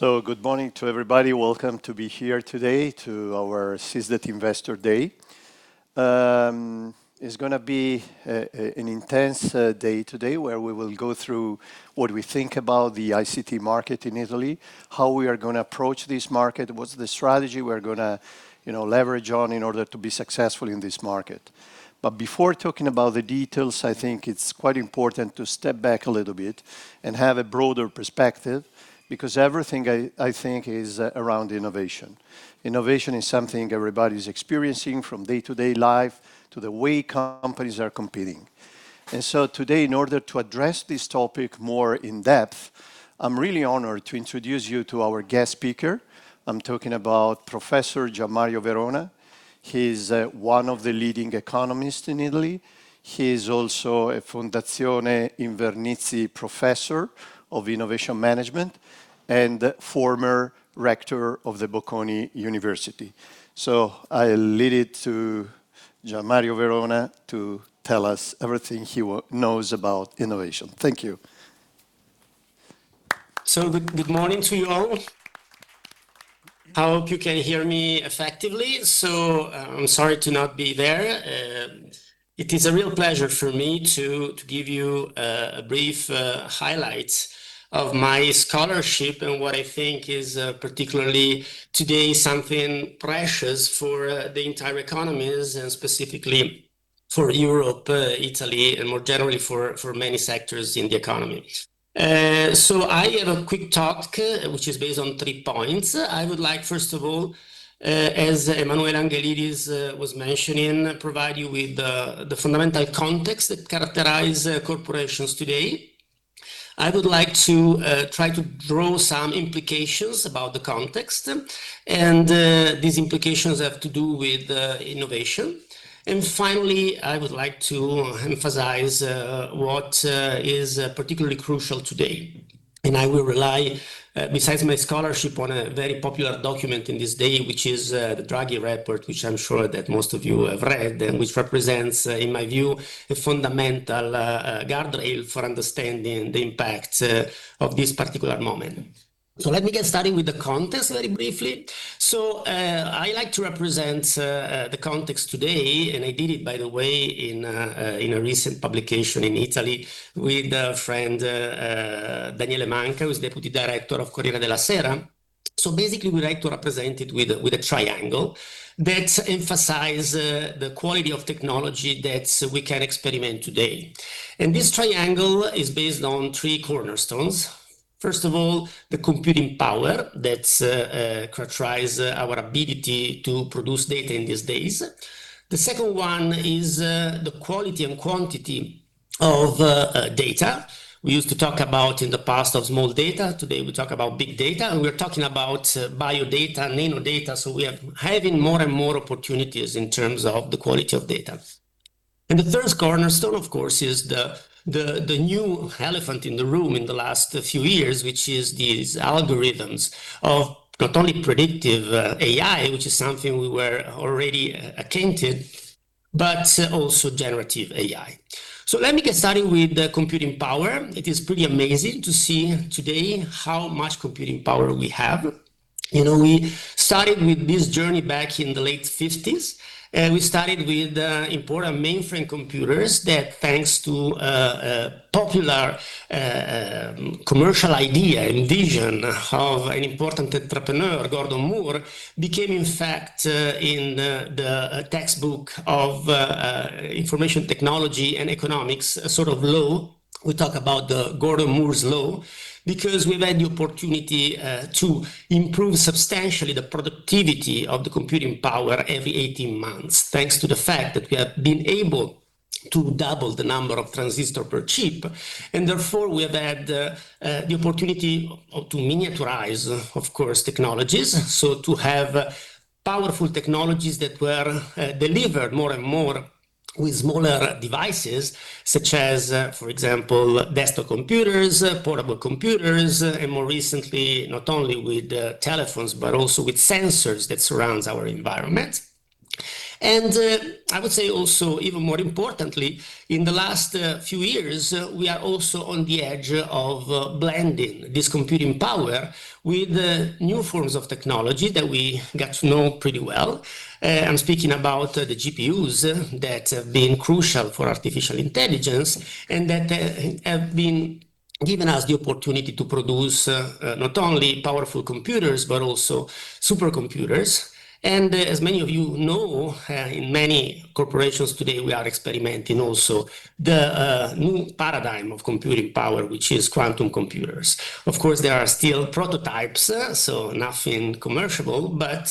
Good morning to everybody. Welcome to be here today to our SYS-DAT Investor Day. It's gonna be an intense day today, where we will go through what we think about the ICT market in Italy, how we are gonna approach this market, what's the strategy we're gonna, you know, leverage on in order to be successful in this market. Before talking about the details, I think it's quite important to step back a little bit and have a broader perspective, because everything I think is around innovation. Innovation is something everybody's experiencing from day-to-day life to the way companies are competing. Today, in order to address this topic more in depth, I'm really honored to introduce you to our guest speaker. I'm talking about Professor Gianmario Verona. He's one of the leading economists in Italy. He is also a Fondazione Invernizzi Professor of Innovation Management and former rector of the Bocconi University. I'll leave it to Gianmario Verona to tell us everything he knows about innovation. Thank you. Good, good morning to you all. I hope you can hear me effectively. I'm sorry to not be there. It is a real pleasure for me to give you a brief highlight of my scholarship and what I think is particularly today, something precious for the entire economies and specifically for Europe, Italy, and more generally for many sectors in the economy. I have a quick talk, which is based on three points. I would like, first of all, as Emanuele Angelidis was mentioning, provide you with the fundamental context that characterize corporations today. I would like to try to draw some implications about the context. These implications have to do with innovation. Finally, I would like to emphasize what is particularly crucial today. I will rely, besides my scholarship, on a very popular document in this day, which is the Draghi report, which I'm sure that most of you have read, and which represents, in my view, a fundamental guardrail for understanding the impact of this particular moment. Let me get started with the context very briefly. I like to represent the context today, and I did it, by the way, in a recent publication in Italy with a friend, Daniele Manca, who's deputy director of Corriere della Sera. Basically, we like to represent it with a, with a triangle that emphasize the quality of technology that we can experiment today. This triangle is based on three cornerstones. First of all, the computing power that characterize our ability to produce data in these days. The second one is the quality and quantity of data. We used to talk about in the past of small data. Today we talk about big data, we're talking about biodata, nanodata. We are having more and more opportunities in terms of the quality of data. The third cornerstone, of course, is the new elephant in the room in the last few years, which is these algorithms of not only predictive AI, which is something we were already attuned to, but also generative AI. Let me get started with the computing power. It is pretty amazing to see today how much computing power we have. You know, we started with this journey back in the late 1950s, and we started with important mainframe computers that, thanks to a popular commercial idea and vision of an important entrepreneur, Gordon Moore, became, in fact, in the textbook of information technology and economics, a sort of law. We talk about the Gordon Moore's Law because we've had the opportunity to improve substantially the productivity of the computing power every 18 months, thanks to the fact that we have been able to double the number of transistor per chip, and therefore we have had the opportunity to miniaturize, of course, technologies. To have powerful technologies that were delivered more and more with smaller devices such as, for example, desktop computers, portable computers, and more recently, not only with telephones, but also with sensors that surrounds our environment. I would say also, even more importantly, in the last few years, we are also on the edge of blending this computing power with new forms of technology that we got to know pretty well. I'm speaking about the GPUs that have been crucial for Artificial Intelligence and that have been giving us the opportunity to produce not only powerful computers but also supercomputers. As many of you know, in many corporations today, we are experimenting also the new paradigm of computing power, which is quantum computers. Of course, they are still prototypes, nothing commercializable, but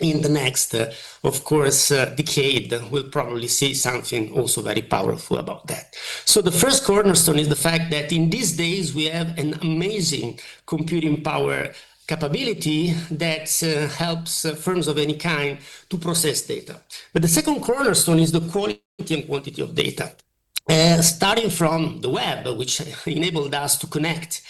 in the next, of course, decade, we'll probably see something also very powerful about that. The first cornerstone is the fact that in these days we have an amazing computing power capability that helps firms of any kind to process data. The second cornerstone is the quality and quantity of data, starting from the web, which enabled us to connect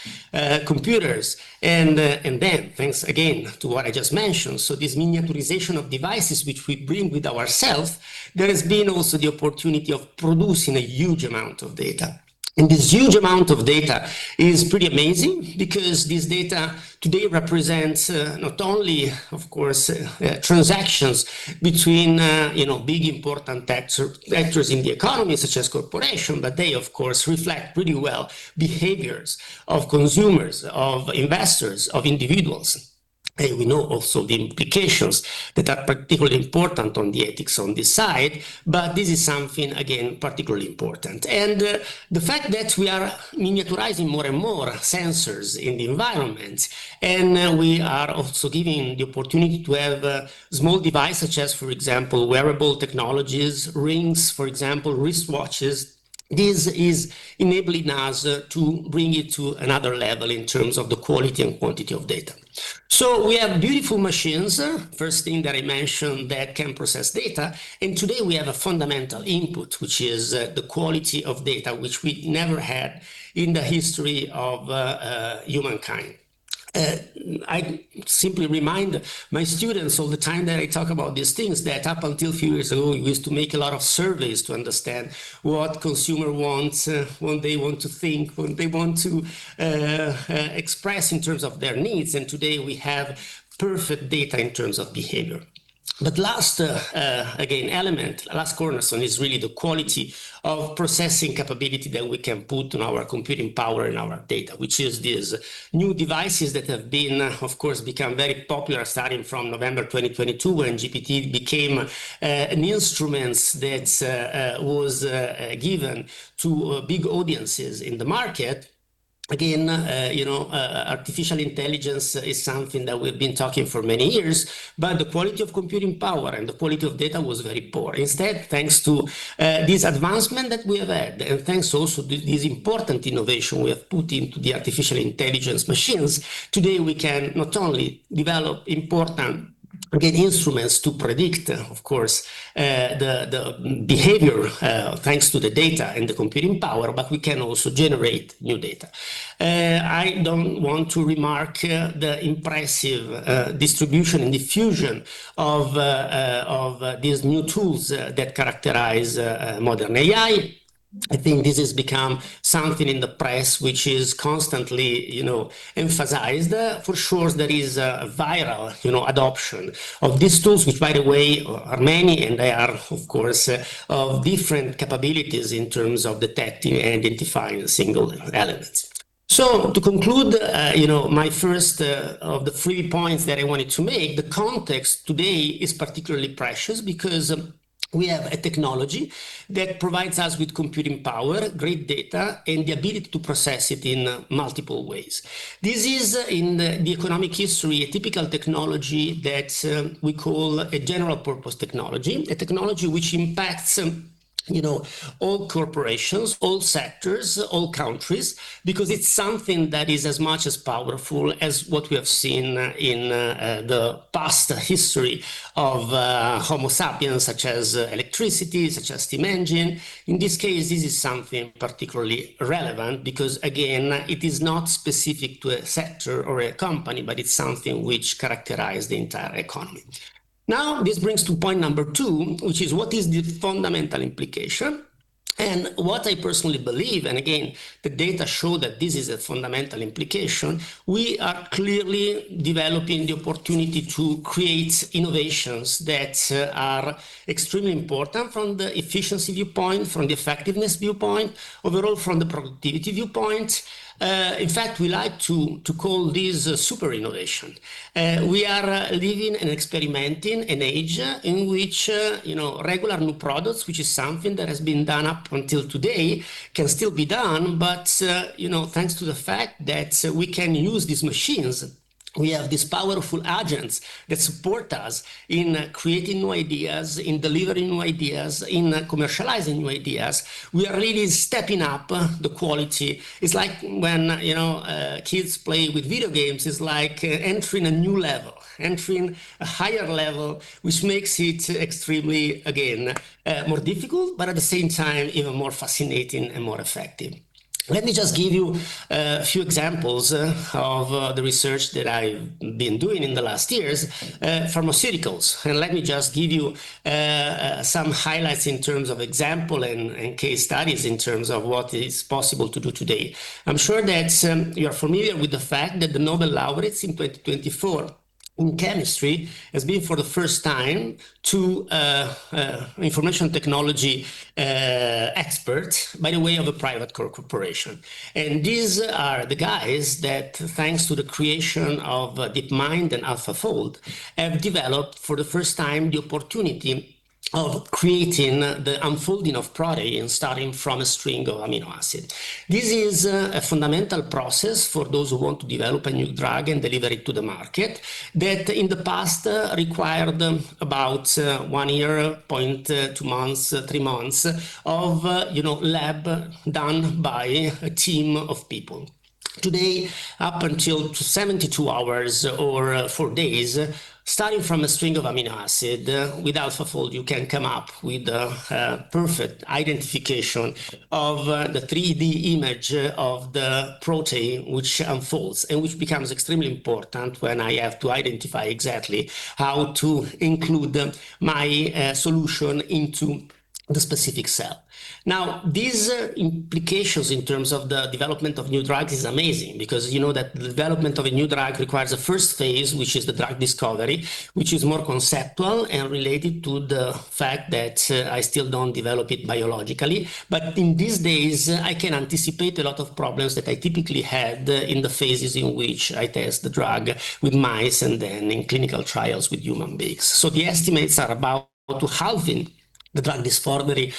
computers and then thanks again to what I just mentioned. This miniaturization of devices which we bring with ourself, there has been also the opportunity of producing a huge amount of data. This huge amount of data is pretty amazing because this data today represents, not only, of course, transactions between big important actors in the economy, such as corporation, but they of course reflect pretty well behaviors of consumers, of investors, of individuals. We know also the implications that are particularly important on the ethics on this side, but this is something again, particularly important. The fact that we are miniaturizing more and more sensors in the environment, we are also giving the opportunity to have small devices such as, for example, wearable technologies, rings, for example, wristwatches, this is enabling us to bring it to another level in terms of the quality and quantity of data. We have beautiful machines, first thing that I mentioned, that can process data, and today we have a fundamental input, which is the quality of data which we never had in the history of humankind. I simply remind my students all the time that I talk about these things that up until a few years ago, we used to make a lot of surveys to understand what consumer wants, what they want to think, what they want to express in terms of their needs, and today we have perfect data in terms of behavior. Last, again, element, last cornerstone is really the quality of processing capability that we can put on our computing power and our data, which is these new devices that have been, of course, become very popular starting from November 2022 when GPT became an instrument that was given to big audiences in the market. Again, you know, artificial intelligence is something that we've been talking for many years, but the quality of computing power and the quality of data was very poor. Instead, thanks to this advancement that we have had, and thanks also to this important innovation we have put into the artificial intelligence machines, today we can not only develop important, again, instruments to predict, of course, the behavior, thanks to the data and the computing power, but we can also generate new data. I don't want to remark the impressive distribution and diffusion of these new tools that characterize modern AI. I think this has become something in the press which is constantly, you know, emphasized. For sure there is a viral, you know, adoption of these tools, which by the way are many, and they are of course, different capabilities in terms of detecting and identifying single elements. To conclude, you know, my first of the three points that I wanted to make, the context today is particularly precious because we have a technology that provides us with computing power, great data, and the ability to process it in multiple ways. This is in the economic history, a typical technology that we call a general purpose technology. A technology which impacts, you know, all corporations, all sectors, all countries, because it's something that is as much as powerful as what we have seen in the past history of Homo sapiens, such as electricity, such as steam engine. In this case, this is something particularly relevant because again, it is not specific to a sector or a company, but it's something which characterize the entire economy. Now, this brings to point number two, which is what is the fundamental implication? What I personally believe, and again, the data show that this is a fundamental implication, we are clearly developing the opportunity to create innovations that are extremely important from the efficiency viewpoint, from the effectiveness viewpoint, overall from the productivity viewpoint. In fact, we like to call this super innovation. We are living and experimenting an age in which, you know, regular new products, which is something that has been done up until today, can still be done. You know, thanks to the fact that we can use these machines, we have these powerful agents that support us in creating new ideas, in delivering new ideas, in commercializing new ideas. We are really stepping up the quality. It's like when, you know, kids play with video games, it's like entering a new level, entering a higher level, which makes it extremely, again, more difficult, but at the same time, even more fascinating and more effective. Let me just give you a few examples of the research that I've been doing in the last years. Pharmaceuticals. Let me just give you some highlights in terms of example and case studies in terms of what is possible to do today. I'm sure that, you are familiar with the fact that the Nobel Laureates in 2024 in chemistry has been for the first time two, information technology, experts by the way of a private corporation. These are the guys that, thanks to the creation of DeepMind and AlphaFold, have developed for the first time the opportunity of creating the unfolding of protein starting from a string of amino acid. This is a fundamental process for those who want to develop a new drug and deliver it to the market that in the past required about one year, two months, three months of, you know, lab done by a team of people. Today, up until 72 hours or four days, starting from a string of amino acid, with AlphaFold, you can come up with a perfect identification of the 3D image of the protein which unfolds and which becomes extremely important when I have to identify exactly how to include my solution into the specific cell. These implications in terms of the development of new drugs is amazing because you know that the development of a new drug requires a first phase, which is the drug discovery, which is more conceptual and related to the fact that I still don't develop it biologically. In these days, I can anticipate a lot of problems that I typically had in the phases in which I test the drug with mice and then in clinical trials with human beings. The estimates are about to halving the drug discovery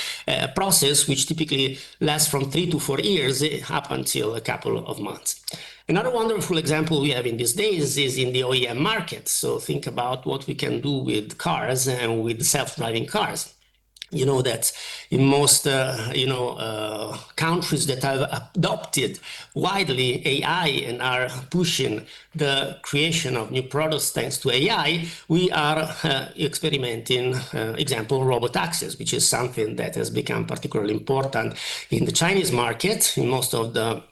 process, which typically lasts from three to four years. It happen till a couple of months. Another wonderful example we have in these days is in the OEM market. Think about what we can do with cars and with self-driving cars. You know that in most, you know, countries that have adopted widely AI and are pushing the creation of new products thanks to AI, we are experimenting, example, robotaxis, which is something that has become particularly important in the Chinese market, in most of the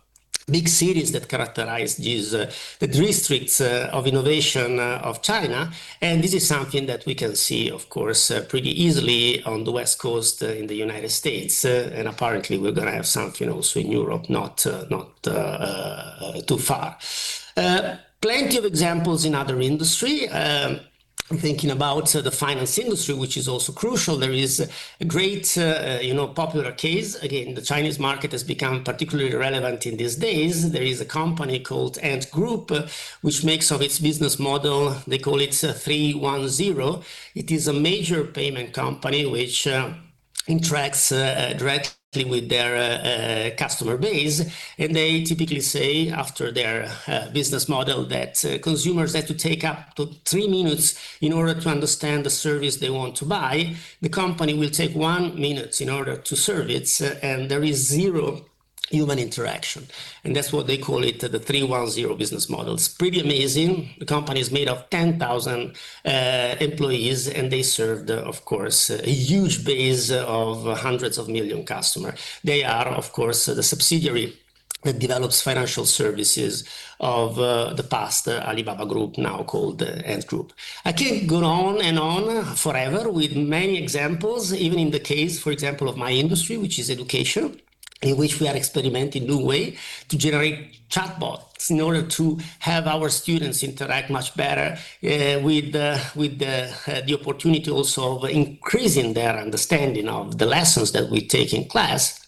big cities that characterize these, the districts of innovation of China. This is something that we can see, of course, pretty easily on the West Coast in the United States. Apparently we're gonna have something also in Europe, not too far. Plenty of examples in other industry. I'm thinking about the finance industry, which is also crucial. There is a great, you know, popular case. Again, the Chinese market has become particularly relevant in these days. There is a company called Ant Group, which makes of its business model, they call it 310. It is a major payment company which interacts directly with their customer base. They typically say after their business model that consumers have to take up to three minutes in order to understand the service they want to buy. The company will take one minute in order to serve it, and there is zero human interaction, and that's what they call it, the 310 business model. It's pretty amazing. The company is made of 10,000 employees, and they serve the, of course, a huge base of hundreds of million customer. They are, of course, the subsidiary that develops financial services of the past Alibaba Group, now called Ant Group. I can go on and on forever with many examples, even in the case, for example, of my industry, which is education, in which we are experimenting new way to generate chatbots in order to have our students interact much better with the opportunity also of increasing their understanding of the lessons that we take in class.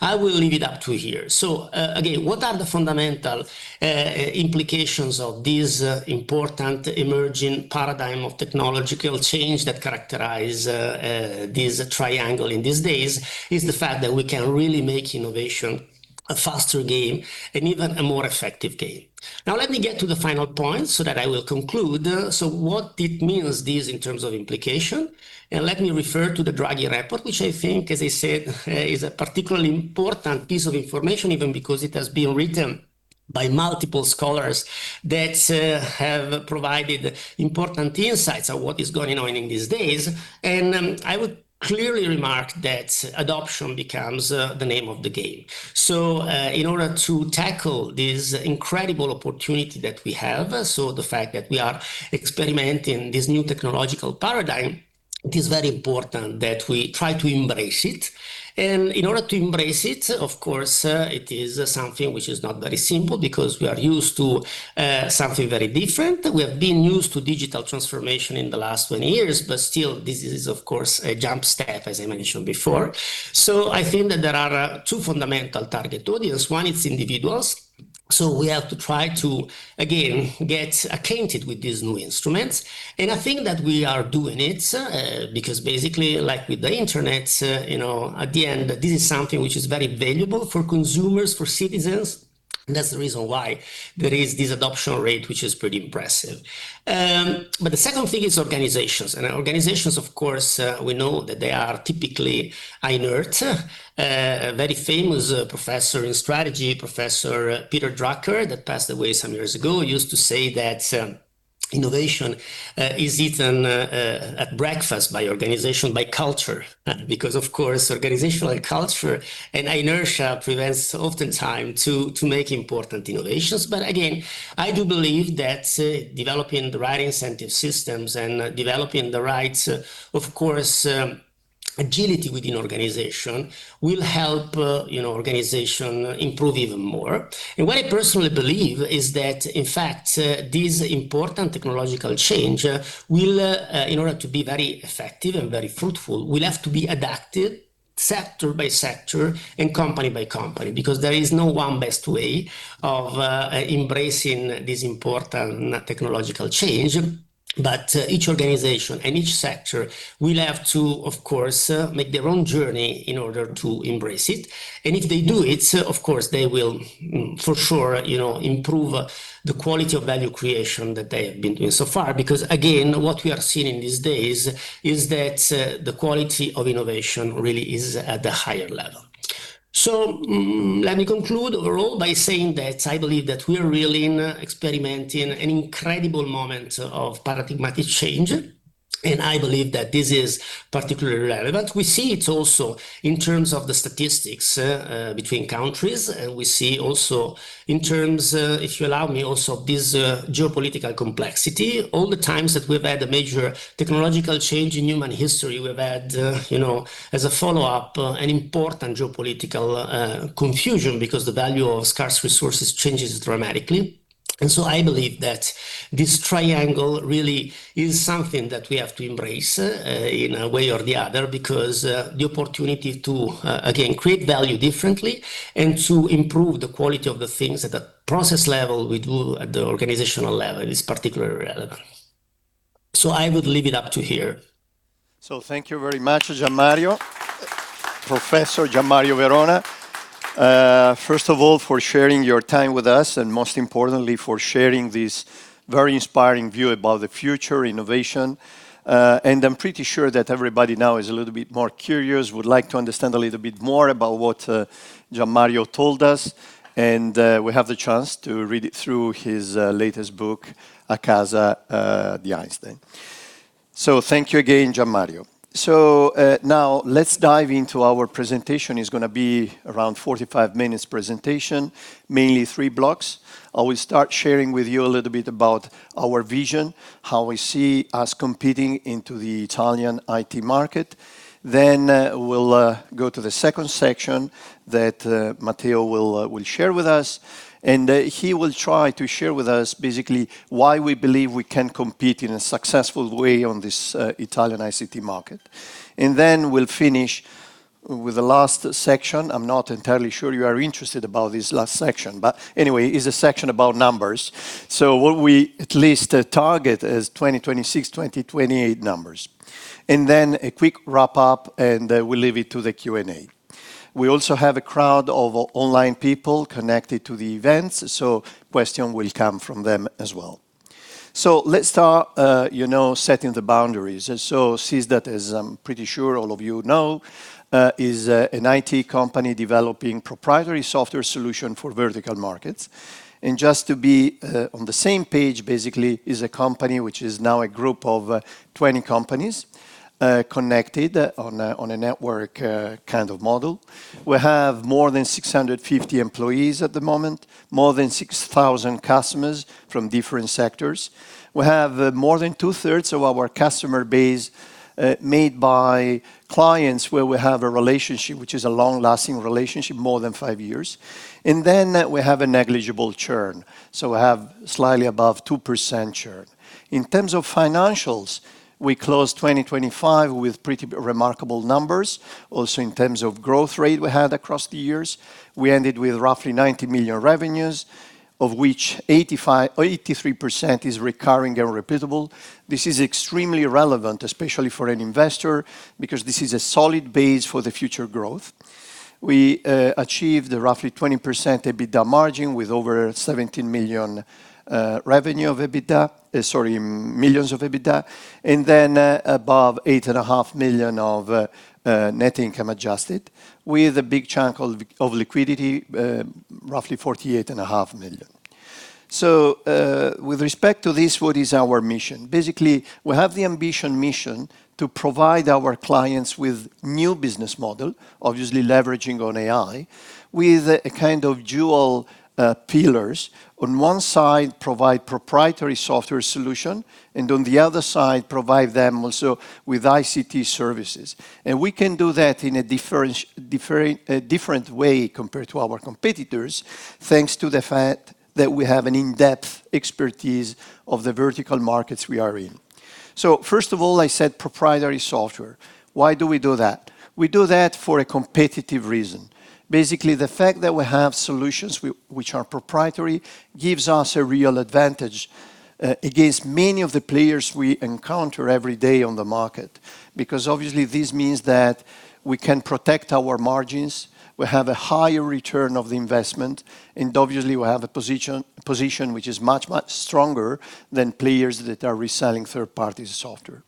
I will leave it up to here. Again, what are the fundamental implications of this important emerging paradigm of technological change that characterize this triangle in these days is the fact that we can really make innovation a faster game and even a more effective game. Now let me get to the final point so that I will conclude. What it means this in terms of implication, and let me refer to the Draghi report, which I think, as I said, is a particularly important piece of information, even because it has been written by multiple scholars that have provided important insights of what is going on in these days. I would clearly remark that adoption becomes the name of the game. In order to tackle this incredible opportunity that we have, so the fact that we are experimenting this new technological paradigm, it is very important that we try to embrace it. In order to embrace it, of course, it is something which is not very simple because we are used to something very different. We have been used to digital transformation in the last 20 years, but still, this is of course a jump step, as I mentioned before. I think that there are two fundamental target audience. One is individuals. We have to try to, again, get acquainted with these new instruments. I think that we are doing it because basically, like with the internet, you know, at the end, this is something which is very valuable for consumers, for citizens. That's the reason why there is this adoption rate, which is pretty impressive. The second thing is organizations. Organizations, of course, we know that they are typically inert. A very famous professor in strategy, Professor Peter Drucker, that passed away some years ago, used to say that innovation is eaten at breakfast by organization, by culture. Because of course, organizational culture and inertia prevents oftentimes to make important innovations. Again, I do believe that developing the right incentive systems and developing the right, of course, agility within organization will help, you know, organization improve even more. What I personally believe is that, in fact, this important technological change will, in order to be very effective and very fruitful, will have to be adapted sector by sector and company by company because there is no one best way of embracing this important technological change. Each organization and each sector will have to, of course, make their own journey in order to embrace it. If they do it, of course, they will for sure, you know, improve the quality of value creation that they have been doing so far. Again, what we are seeing these days is that, the quality of innovation really is at a higher level. Let me conclude overall by saying that I believe that we are really experimenting an incredible moment of paradigmatic change. I believe that this is particularly relevant. We see it also in terms of the statistics between countries, and we see also in terms, if you allow me also, this geopolitical complexity. All the times that we've had a major technological change in human history, we've had, you know, as a follow-up, an important geopolitical confusion because the value of scarce resources changes dramatically. I believe that this triangle really is something that we have to embrace in a way or the other because the opportunity to again, create value differently and to improve the quality of the things at the process level we do at the organizational level is particularly relevant. I would leave it up to here. Thank you very much, Gianmario. Professor Gianmario Verona, first of all for sharing your time with us, and most importantly, for sharing this very inspiring view about the future innovation. I'm pretty sure that everybody now is a little bit more curious, would like to understand a little bit more about what Gianmario told us, and we have the chance to read it through his latest book, A casa di Einstein. Thank you again, Gianmario. Now let's dive into our presentation. It's gonna be around 45 minutes presentation, mainly three blocks. I will start sharing with you a little bit about our vision, how we see us competing into the Italian IT market. We'll go to the second section that Matteo will share with us, and he will try to share with us basically why we believe we can compete in a successful way on this Italian ICT market. We'll finish with the last section. I'm not entirely sure you are interested about this last section, but anyway, it's a section about numbers. What we at least target is 2026/2028 numbers. A quick wrap-up. We'll leave it to the Q&A. We also have a crowd of online people connected to the event. Question will come from them as well. Let's start, you know, setting the boundaries. SYS-DAT, as I'm pretty sure all of you know, is an IT company developing proprietary software solution for vertical markets. Just to be on the same page, basically is a company which is now a group of 20 companies connected on a network kind of model. We have more than 650 employees at the moment, more than 6,000 customers from different sectors. We have more than 2/3 of our customer base made by clients where we have a relationship, which is a long-lasting relationship, more than five years. We have a negligible churn, so we have slightly above 2% churn. In terms of financials, we closed 2025 with pretty remarkable numbers. Also, in terms of growth rate we had across the years, we ended with roughly 90 million revenues, of which 83% is recurring and repeatable. This is extremely relevant, especially for an investor, because this is a solid base for the future growth. We achieved a roughly 20% EBITDA margin with over 17 million of EBITDA, above 8.5 million of net income adjusted, with a big chunk of liquidity, roughly 48.5 million. With respect to this, what is our mission? Basically, we have the ambition mission to provide our clients with new business model, obviously leveraging on AI, with a kind of dual pillars. On one side, provide proprietary software solution, and on the other side, provide them also with ICT services. We can do that in a different way compared to our competitors, thanks to the fact that we have an in-depth expertise of the vertical markets we are in. First of all, I said proprietary software. Why do we do that? We do that for a competitive reason. Basically, the fact that we have solutions which are proprietary gives us a real advantage against many of the players we encounter every day on the market. Obviously, this means that we can protect our margins, we have a higher return of the investment, and obviously, we have a position which is much, much stronger than players that are reselling third-party software.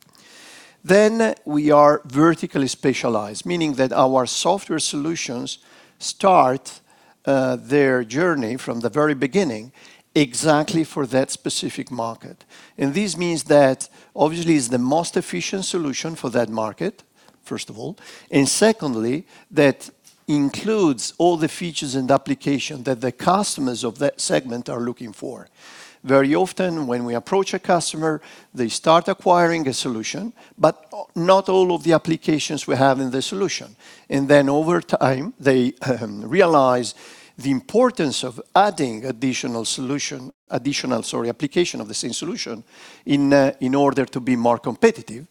We are vertically specialized, meaning that our software solutions start their journey from the very beginning exactly for that specific market. This means that obviously it's the most efficient solution for that market, first of all, and secondly, that includes all the features and application that the customers of that segment are looking for. Very often, when we approach a customer, they start acquiring a solution, but not all of the applications we have in the solution. Then over time, they realize the importance of adding additional solution, additional, sorry, application of the same solution in order to be more competitive.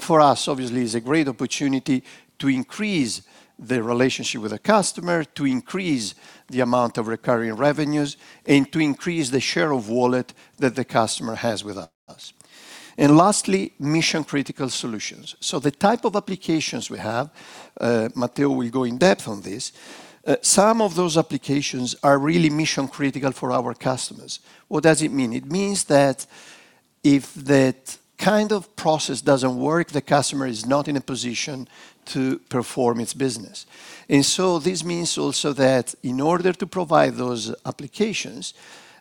For us, obviously, it's a great opportunity to increase the relationship with the customer, to increase the amount of recurring revenues, and to increase the share of wallet that the customer has with us. Lastly, mission-critical solutions. The type of applications we have, Matteo will go in depth on this, some of those applications are really mission-critical for our customers. What does it mean? It means that if that kind of process doesn't work, the customer is not in a position to perform its business. This means also that in order to provide those applications,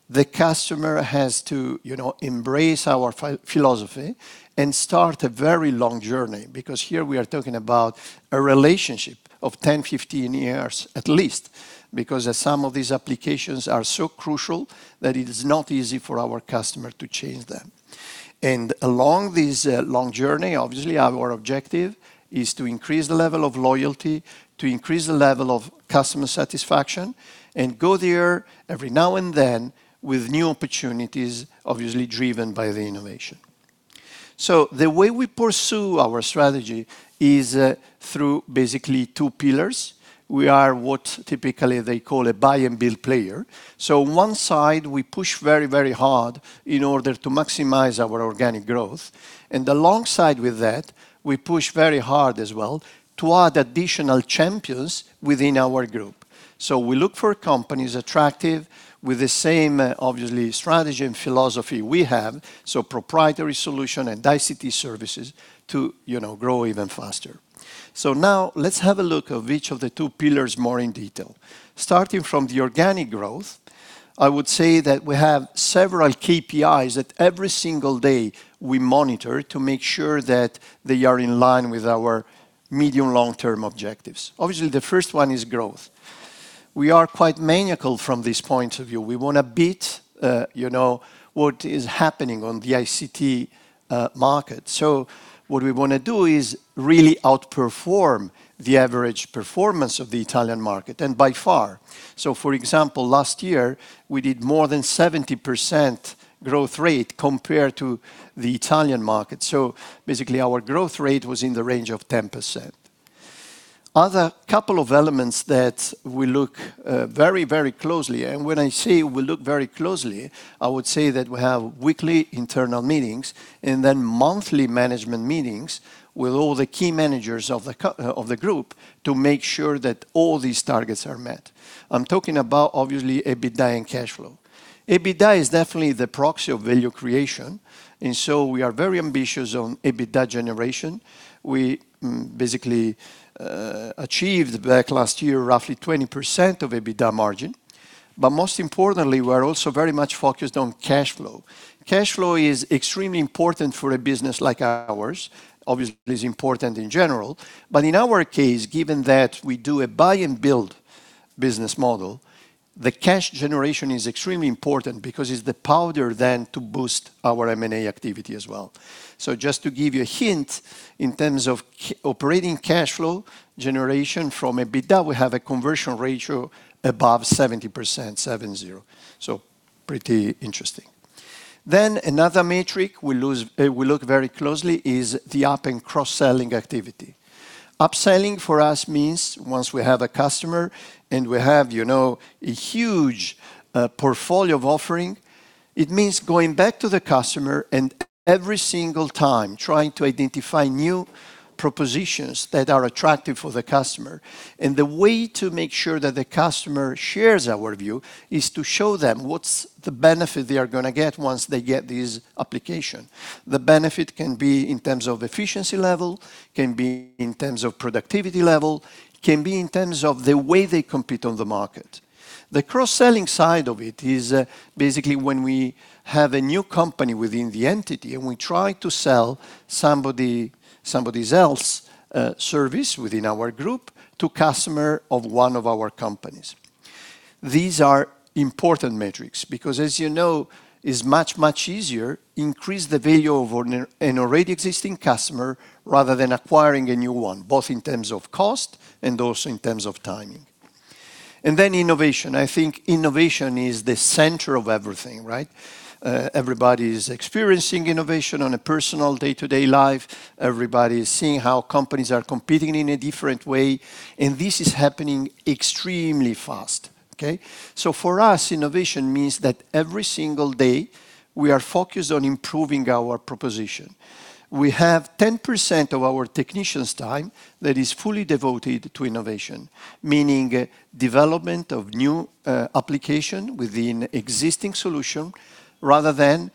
the customer has to, you know, embrace our philosophy and start a very long journey, because here we are talking about a relationship of 10-15 years at least, because some of these applications are so crucial that it is not easy for our customer to change them. Along this long journey, obviously our objective is to increase the level of loyalty, to increase the level of customer satisfaction, and go there every now and then with new opportunities, obviously driven by the innovation. The way we pursue our strategy is through basically two pillars. We are what typically they call a buy and build player. 1 side we push very hard in order to maximize our organic growth, and alongside with that, we push very hard as well to add additional champions within our group. We look for companies attractive with the same, obviously, strategy and philosophy we have, proprietary solution and ICT services to, you know, grow even faster. Now let's have a look of each of the two pillars more in detail. Starting from the organic growth, I would say that we have several KPIs that every single day we monitor to make sure that they are in line with our medium long-term objectives. Obviously, the first one is growth. We are quite maniacal from this point of view. We wanna beat, you know, what is happening on the ICT market. What we wanna do is really outperform the average performance of the Italian market, and by far. For example, last year we did more than 70% growth rate compared to the Italian market, so basically our growth rate was in the range of 10%. Other couple of elements that we look very, very closely, and when I say we look very closely, I would say that we have weekly internal meetings and then monthly management meetings with all the key managers of the group to make sure that all these targets are met. I'm talking about, obviously, EBITDA and cash flow. EBITDA is definitely the proxy of value creation, we are very ambitious on EBITDA generation. We basically achieved back last year roughly 20% of EBITDA margin. Most importantly, we're also very much focused on cash flow. Cash flow is extremely important for a business like ours, obviously it is important in general, but in our case, given that we do a buy and build business model, the cash generation is extremely important because it's the powder then to boost our M&A activity as well. Just to give you a hint, in terms of operating cash flow generation from EBITDA, we have a conversion ratio above 70%, 70, so pretty interesting. Another metric we use, we look very closely is the up and cross-selling activity. Upselling for us means once we have a customer and we have, you know, a huge portfolio of offering, it means going back to the customer and every single time trying to identify new propositions that are attractive for the customer. The way to make sure that the customer shares our view is to show them what's the benefit they are gonna get once they get this application. The benefit can be in terms of efficiency level, can be in terms of productivity level, can be in terms of the way they compete on the market. The cross-selling side of it is basically when we have a new company within the entity, and we try to sell somebody else's service within our group to customer of one of our companies. These are important metrics because, as you know, it's much, much easier increase the value of an already existing customer rather than acquiring a new one, both in terms of cost and also in terms of timing. Innovation. I think innovation is the center of everything, right? Everybody's experiencing innovation on a personal day-to-day life. Everybody is seeing how companies are competing in a different way, and this is happening extremely fast, okay? For us, innovation means that every single day we are focused on improving our proposition. We have 10% of our technicians' time that is fully devoted to innovation, meaning development of new application within existing solution rather than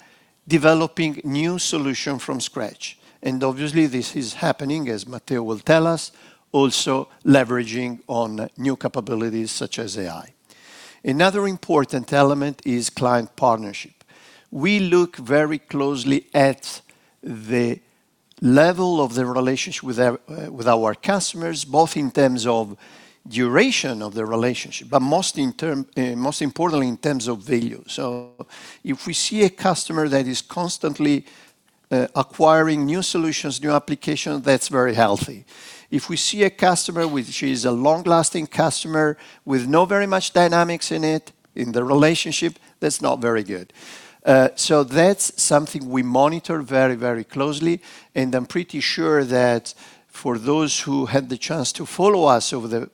developing new solution from scratch. Obviously this is happening, as Matteo will tell us, also leveraging on new capabilities such as AI. Another important element is client partnership. We look very closely at the level of the relationship with our customers, both in terms of duration of the relationship, but most importantly, in terms of value. If we see a customer that is constantly acquiring new solutions, new application, that's very healthy. If we see a customer which is a long-lasting customer with no very much dynamics in it, in the relationship, that's not very good. That's something we monitor very, very closely, and I'm pretty sure that for those who had the chance to follow us over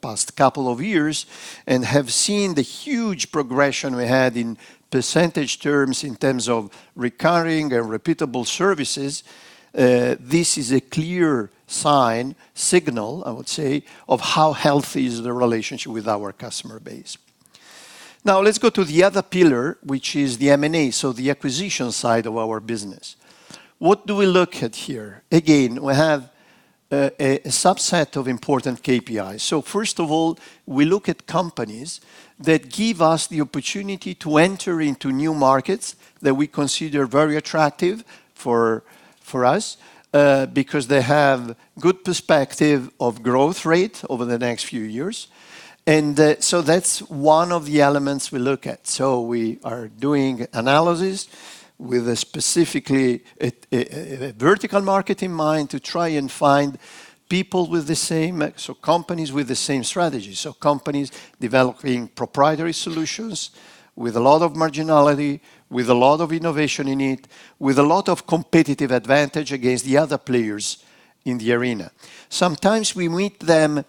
the past couple of years and have seen the huge progression we had in percentage terms in terms of recurring and repeatable services, this is a clear sign, signal I would say, of how healthy is the relationship with our customer base. Now let's go to the other pillar, which is the M&A, so the acquisition side of our business. What do we look at here? Again, we have a subset of important KPIs. First of all, we look at companies that give us the opportunity to enter into new markets that we consider very attractive for us, because they have good perspective of growth rate over the next few years, that's one of the elements we look at. We are doing analysis with specifically a vertical market in mind to try and find people with the same, so companies with the same strategy. Companies developing proprietary solutions with a lot of marginality, with a lot of innovation in it, with a lot of competitive advantage against the other players in the arena. Sometimes we meet them,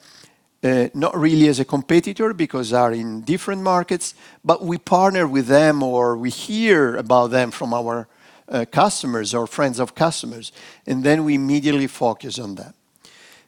not really as a competitor because they are in different markets, but we partner with them or we hear about them from our customers or friends of customers, and then we immediately focus on that.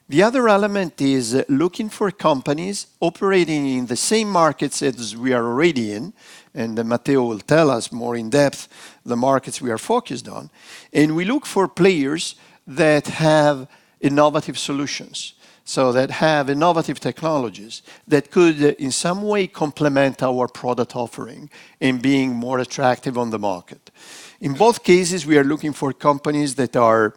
The other element is looking for companies operating in the same markets as we are already in, and Matteo will tell us more in depth the markets we are focused on, and we look for players that have innovative solutions, so that have innovative technologies that could in some way complement our product offering in being more attractive on the market. In both cases, we are looking for companies that are,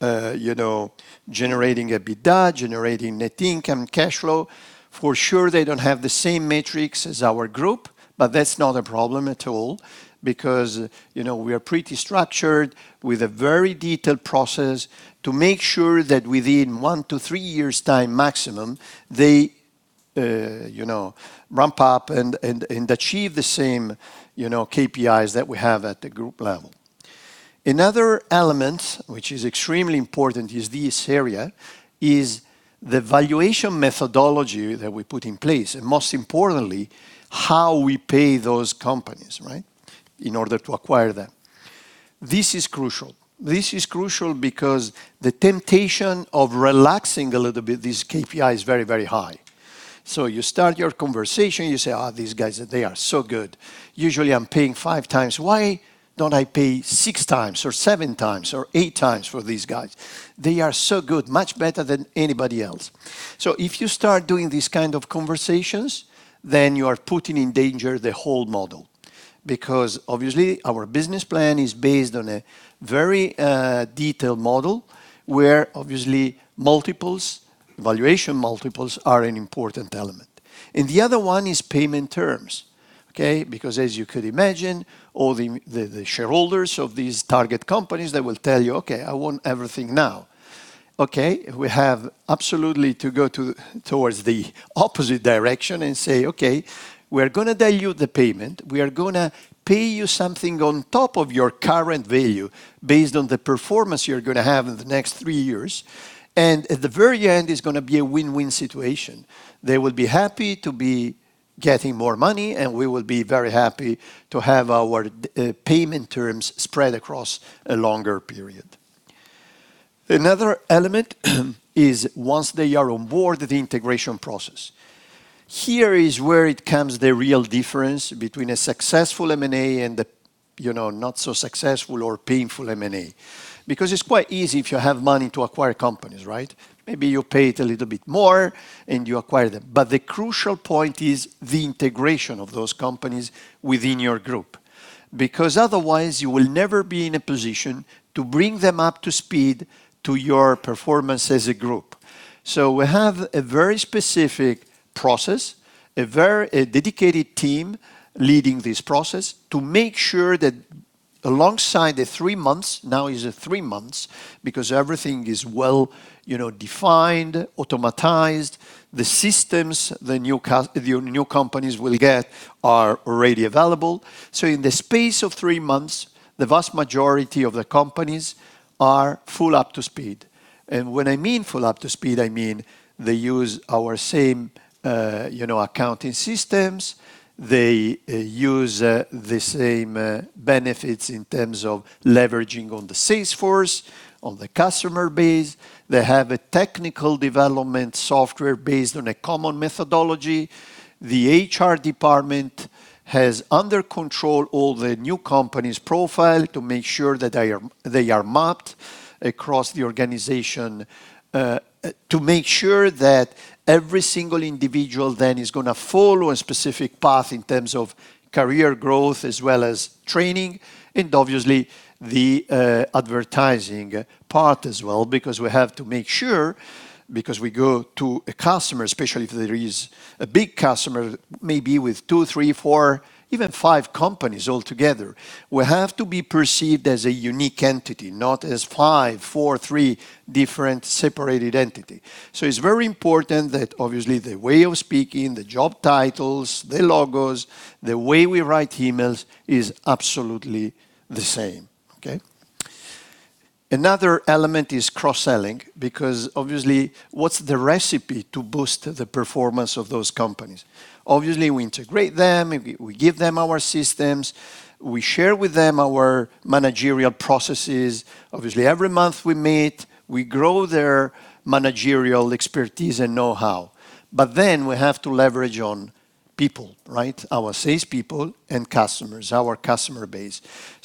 you know, generating EBITDA, generating net income, cash flow. For sure, they don't have the same metrics as our group, but that's not a problem at all because, you know, we are pretty structured with a very detailed process to make sure that within one to three years' time maximum, they, you know, ramp up and achieve the same, you know, KPIs that we have at the group level. Another element which is extremely important is this area, is the valuation methodology that we put in place, and most importantly, how we pay those companies, right, in order to acquire them. This is crucial. This is crucial because the temptation of relaxing a little bit this KPI is very, very high. You start your conversation, you say, "Oh, these guys, they are so good. Usually I'm paying five times. Why don't I pay six times or seven times or eight times for these guys? They are so good, much better than anybody else." If you start doing these kind of conversations, then you are putting in danger the whole model, because obviously our business plan is based on a very detailed model where obviously multiples, valuation multiples are an important element. The other one is payment terms, okay? As you could imagine, all the shareholders of these target companies, they will tell you, "Okay, I want everything now." We have absolutely to go towards the opposite direction and say, "Okay, we're gonna tell you the payment." We are gonna pay you something on top of your current value based on the performance you're gonna have in the next three years, and at the very end, it's gonna be a win-win situation. They will be happy to be getting more money, and we will be very happy to have our payment terms spread across a longer period. Another element is once they are on board, the integration process. Here is where it comes the real difference between a successful M&A and a, you know, not so successful or painful M&A, because it's quite easy if you have money to acquire companies, right? Maybe you pay it a little bit more, you acquire them. The crucial point is the integration of those companies within your group, because otherwise you will never be in a position to bring them up to speed to your performance as a group. We have a very specific process, a very, a dedicated team leading this process to make sure that alongside the three months, now is three months, because everything is well, you know, defined, automatized, the systems the new companies will get are already available. In the space of three months, the vast majority of the companies are full up to speed. When I mean full up to speed, I mean they use our same, you know, accounting systems. They use the same benefits in terms of leveraging on the Salesforce, on the customer base. They have a technical development software based on a common methodology. The HR department has under control all the new company's profile to make sure that they are mapped across the organization, to make sure that every single individual then is gonna follow a specific path in terms of career growth as well as training, and obviously the advertising part as well, because we have to make sure, because we go to a customer, especially if there is a big customer, maybe with two, three, four, even five companies all together, we have to be perceived as a unique entity, not as five, four, three different separated entity. It's very important that obviously the way of speaking, the job titles, the logos, the way we write emails is absolutely the same. Okay? Another element is cross-selling, because obviously, what's the recipe to boost the performance of those companies? Obviously, we integrate them. We give them our systems. We share with them our managerial processes. Obviously, every month we meet. We grow their managerial expertise and know-how. We have to leverage on people, right? Our salespeople and customers, our customer base.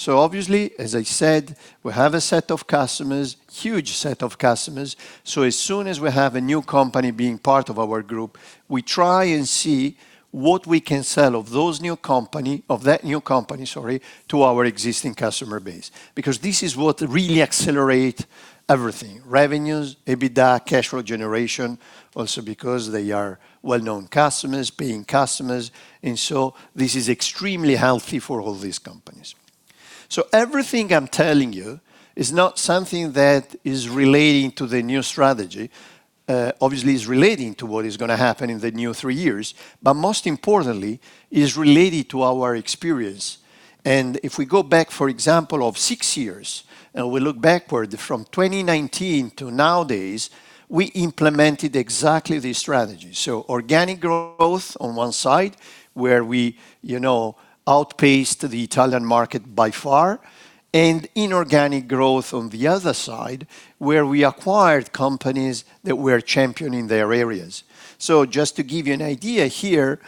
Obviously, as I said, we have a set of customers, huge set of customers. As soon as we have a new company being part of our group, we try and see what we can sell of that new company, sorry, to our existing customer base, because this is what really accelerate everything, revenues, EBITDA, cash flow generation, also because they are well-known customers, paying customers. This is extremely healthy for all these companies. Everything I'm telling you is not something that is relating to the new strategy. obviously it's relating to what is gonna happen in the new three years, but most importantly, it is related to our experience, and if we go back, for example, of six years, and we look backward from 2019 to nowadays, we implemented exactly this strategy. Organic growth on one side, where we, you know, outpaced the Italian market by far, and inorganic growth on the other side, where we acquired companies that were champion in their areas. Just to give you an idea here,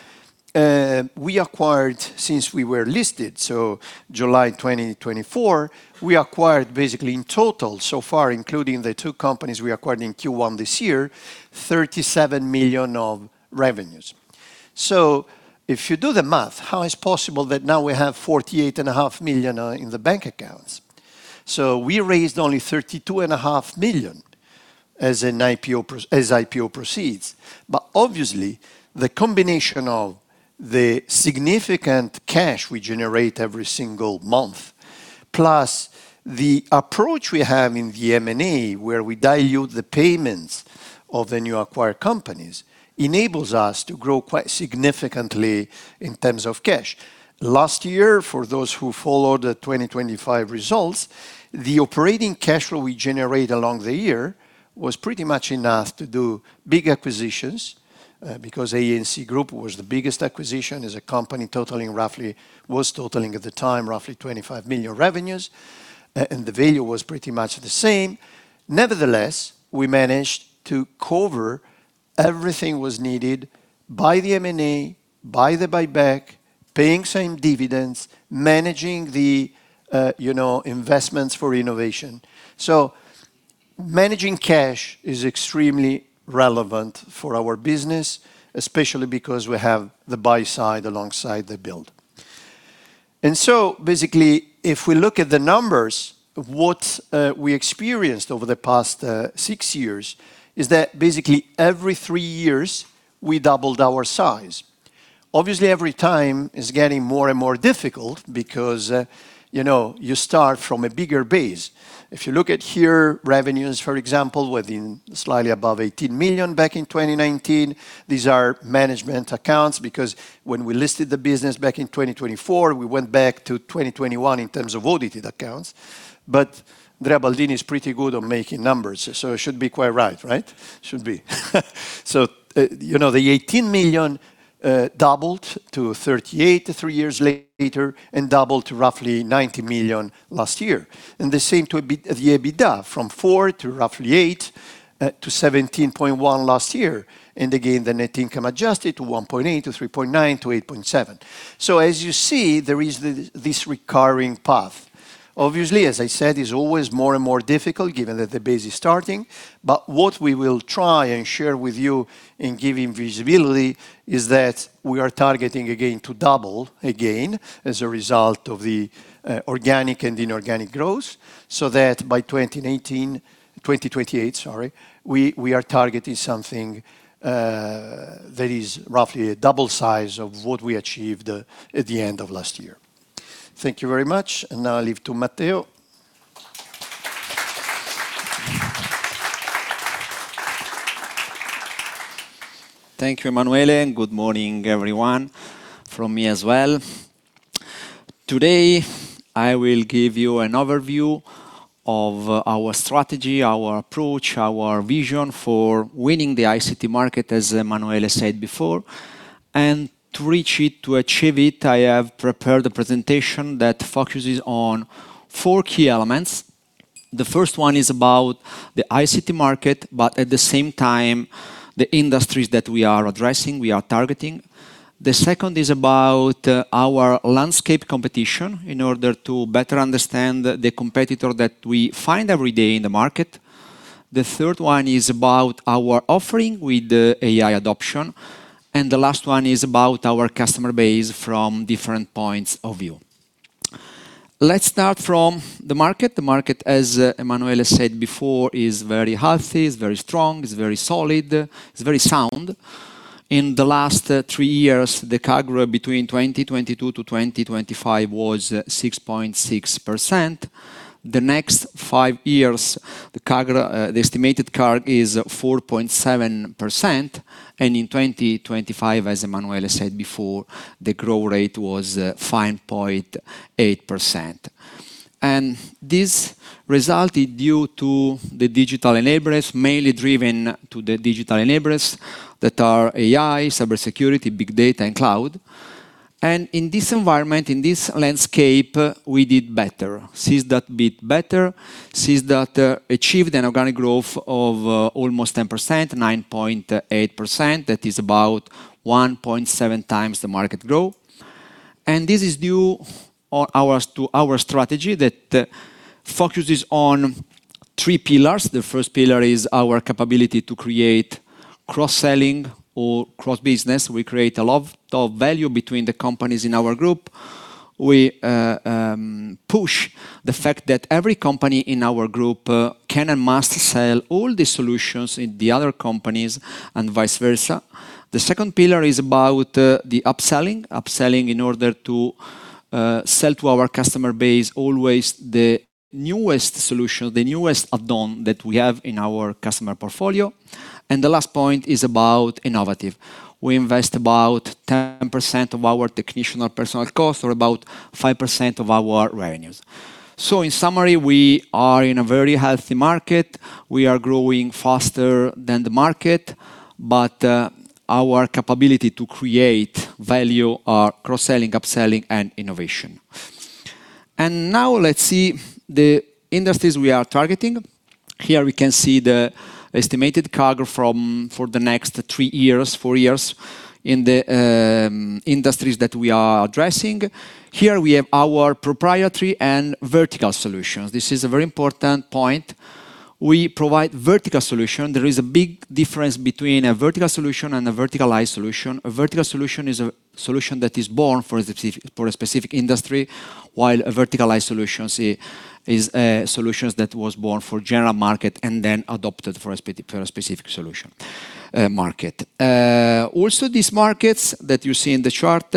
we acquired, since we were listed, July 2024, we acquired basically in total so far, including the two companies we acquired in Q1 this year, 37 million of revenues. If you do the math, how is possible that now we have 48.5 million in the bank accounts? We raised only 32.5 million as IPO proceeds. Obviously, the combination of the significant cash we generate every single month, plus the approach we have in the M&A, where we dilute the payments of the new acquired companies, enables us to grow quite significantly in terms of cash. Last year, for those who followed the 2025 results, the operating cash flow we generate along the year was pretty much enough to do big acquisitions, because A&C Group was the biggest acquisition, as a company was totaling at the time roughly 25 million revenues, and the value was pretty much the same. Nevertheless, we managed to cover everything was needed by the M&A, by the buyback, paying same dividends, managing the, you know, investments for innovation. Managing cash is extremely relevant for our business, especially because we have the buy side alongside the build. Basically, if we look at the numbers, what we experienced over the past six years is that basically every three years, we doubled our size. Obviously, every time it's getting more and more difficult because, you know, you start from a bigger base. If you look at here, revenues, for example, within slightly above 18 million back in 2019. These are management accounts because when we listed the business back in 2024, we went back to 2021 in terms of audited accounts. Andrea Baldini is pretty good on making numbers, so it should be quite right? Should be. You know, the 18 million doubled to 38 million three years later and doubled to roughly 90 million last year. The same to the EBITDA, from 4 million to roughly 8 million to 17.1 million last year. Again, the net income adjusted to 1.8, to 3.9, to 8.7. As you see, there is this recurring path. Obviously, as I said, it's always more and more difficult given that the base is starting. What we will try and share with you in giving visibility is that we are targeting again to double again as a result of the organic and inorganic growth, so that by 2019 2028, sorry, we are targeting something that is roughly a double size of what we achieved at the end of last year. Thank you very much, and now I leave to Matteo. Thank you, Emanuele, and good morning, everyone, from me as well. Today, I will give you an overview of our strategy, our approach, our vision for winning the ICT market, as Emanuele said before. To reach it, to achieve it, I have prepared a presentation that focuses on four key elements. The first one is about the ICT market, but at the same time, the industries that we are addressing, we are targeting. The second is about our landscape competition in order to better understand the competitor that we find every day in the market. The third one is about our offering with the AI adoption, the last one is about our customer base from different points of view. Let's start from the market. The market, as Emanuele said before, is very healthy, it's very strong, it's very solid, it's very sound. In the last three years, the CAGR between 2022 to 2025 was 6.6%. The next five years, the estimated CAGR is 4.7%. In 2025, as Emanuele said before, the growth rate was 5.8%. This resulted due to the digital enablers, mainly driven to the digital enablers that are AI, cybersecurity, big data, and cloud. In this environment, in this landscape, we did better. SYS-DAT did better. SYS-DAT achieved an organic growth of almost 10%, 9.8%. That is about 1.7x the market growth. This is due to our strategy that focuses on three pillars. The first pillar is our capability to create cross-selling or cross-business. We create a lot of value between the companies in our group. We push the fact that every company in our group can and must sell all the solutions in the other companies and vice versa. The second pillar is about the upselling. Upselling in order to sell to our customer base always the newest solution, the newest add-on that we have in our customer portfolio. The last point is about innovative. We invest about 10% of our technician or personal cost, or about 5% of our revenues. In summary, we are in a very healthy market. We are growing faster than the market, but our capability to create value are cross-selling, upselling and innovation. Now let's see the industries we are targeting. Here we can see the estimated CAGR for the next three years, four years in the industries that we are addressing. Here we have our proprietary and vertical solutions. This is a very important point. We provide vertical solution. There is a big difference between a vertical solution and a verticalized solution. A vertical solution is a solution that is born for a specific industry, while a verticalized solution is a solution that was born for general market and then adopted for a specific solution market. Also these markets that you see in the chart,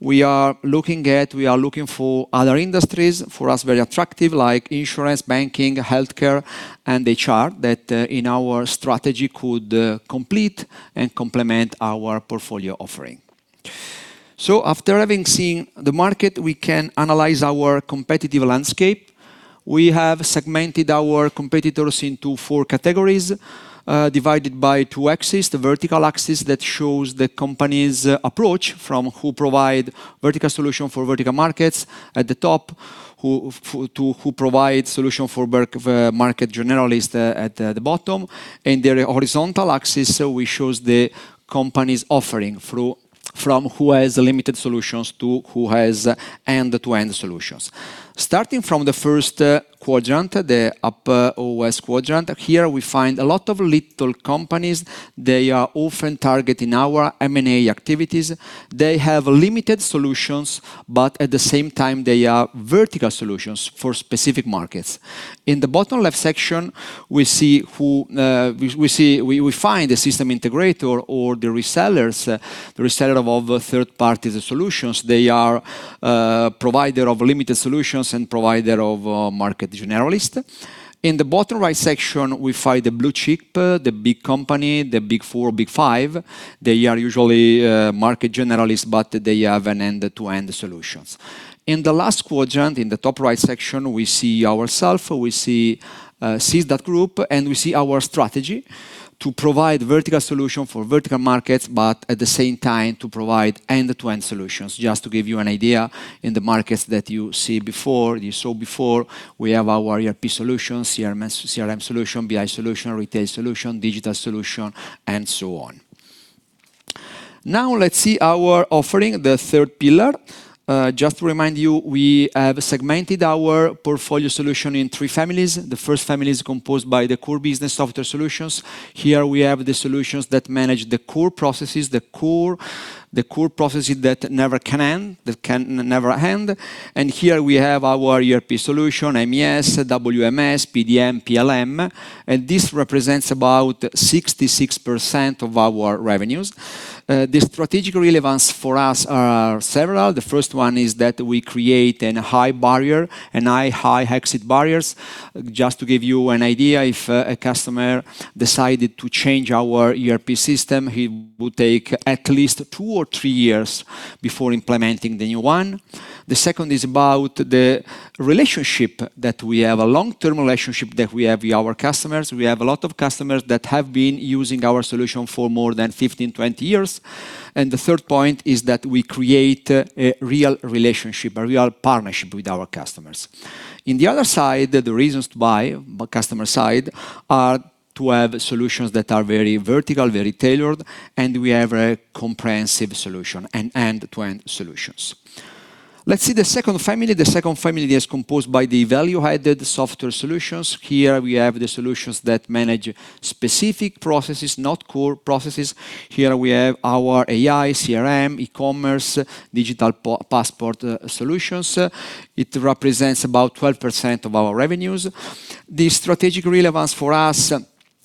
we are looking at, we are looking for other industries, for us very attractive, like insurance, banking, healthcare and HR that in our strategy could complete and complement our portfolio offering. After having seen the market, we can analyze our competitive landscape. We have segmented our competitors into four categories, divided by two axes. The vertical axis that shows the company's approach from who provide vertical solution for vertical markets at the top, who provide solution for market generalist at the bottom. In the horizontal axis, we shows the company's offering from who has limited solutions to who has end-to-end solutions. Starting from the first quadrant, the upper OS quadrant, here we find a lot of little companies. They are often targeting our M&A activities. They have limited solutions, but at the same time they are vertical solutions for specific markets. In the bottom left section, we see who we find the system integrator or the resellers, the reseller of all the third parties solutions. They are provider of limited solutions and provider of market generalist. In the bottom right section, we find the blue chip, the big company, the big four, big five. They are usually market generalists, but they have an end-to-end solutions. In the last quadrant, in the top right section, we see ourself, we see SYS-DAT Group, and we see our strategy to provide vertical solution for vertical markets, but at the same time to provide end-to-end solutions. Just to give you an idea, in the markets that you see before, you saw before, we have our ERP solution, CRM solution, BI solution, retail solution, digital solution, and so on. Let's see our offering, the third pillar. Just to remind you, we have segmented our portfolio solution in three families. The first family is composed by the core business software solutions. Here we have the solutions that manage the core processes, the core processes that can never end. Here we have our ERP solution, MES, WMS, PDM, PLM, and this represents about 66% of our revenues. The strategic relevance for us are several. The first one is that we create a high barrier, a high exit barriers. Just to give you an idea, if a customer decided to change our ERP system, he would take at least two or three years before implementing the new one. The second is about a long-term relationship that we have with our customers. We have a lot of customers that have been using our solution for more than 15, 20 years. The third point is that we create a real relationship, a real partnership with our customers. In the other side, the reasons to buy, customer side, are to have solutions that are very vertical, very tailored, and we have a comprehensive solution, an end-to-end solutions. Let's see the second family. The second family is composed by the value-added software solutions. Here we have the solutions that manage specific processes, not core processes. Here we have our AI, CRM, e-commerce, digital passport solutions. It represents about 12% of our revenues. The strategic relevance for us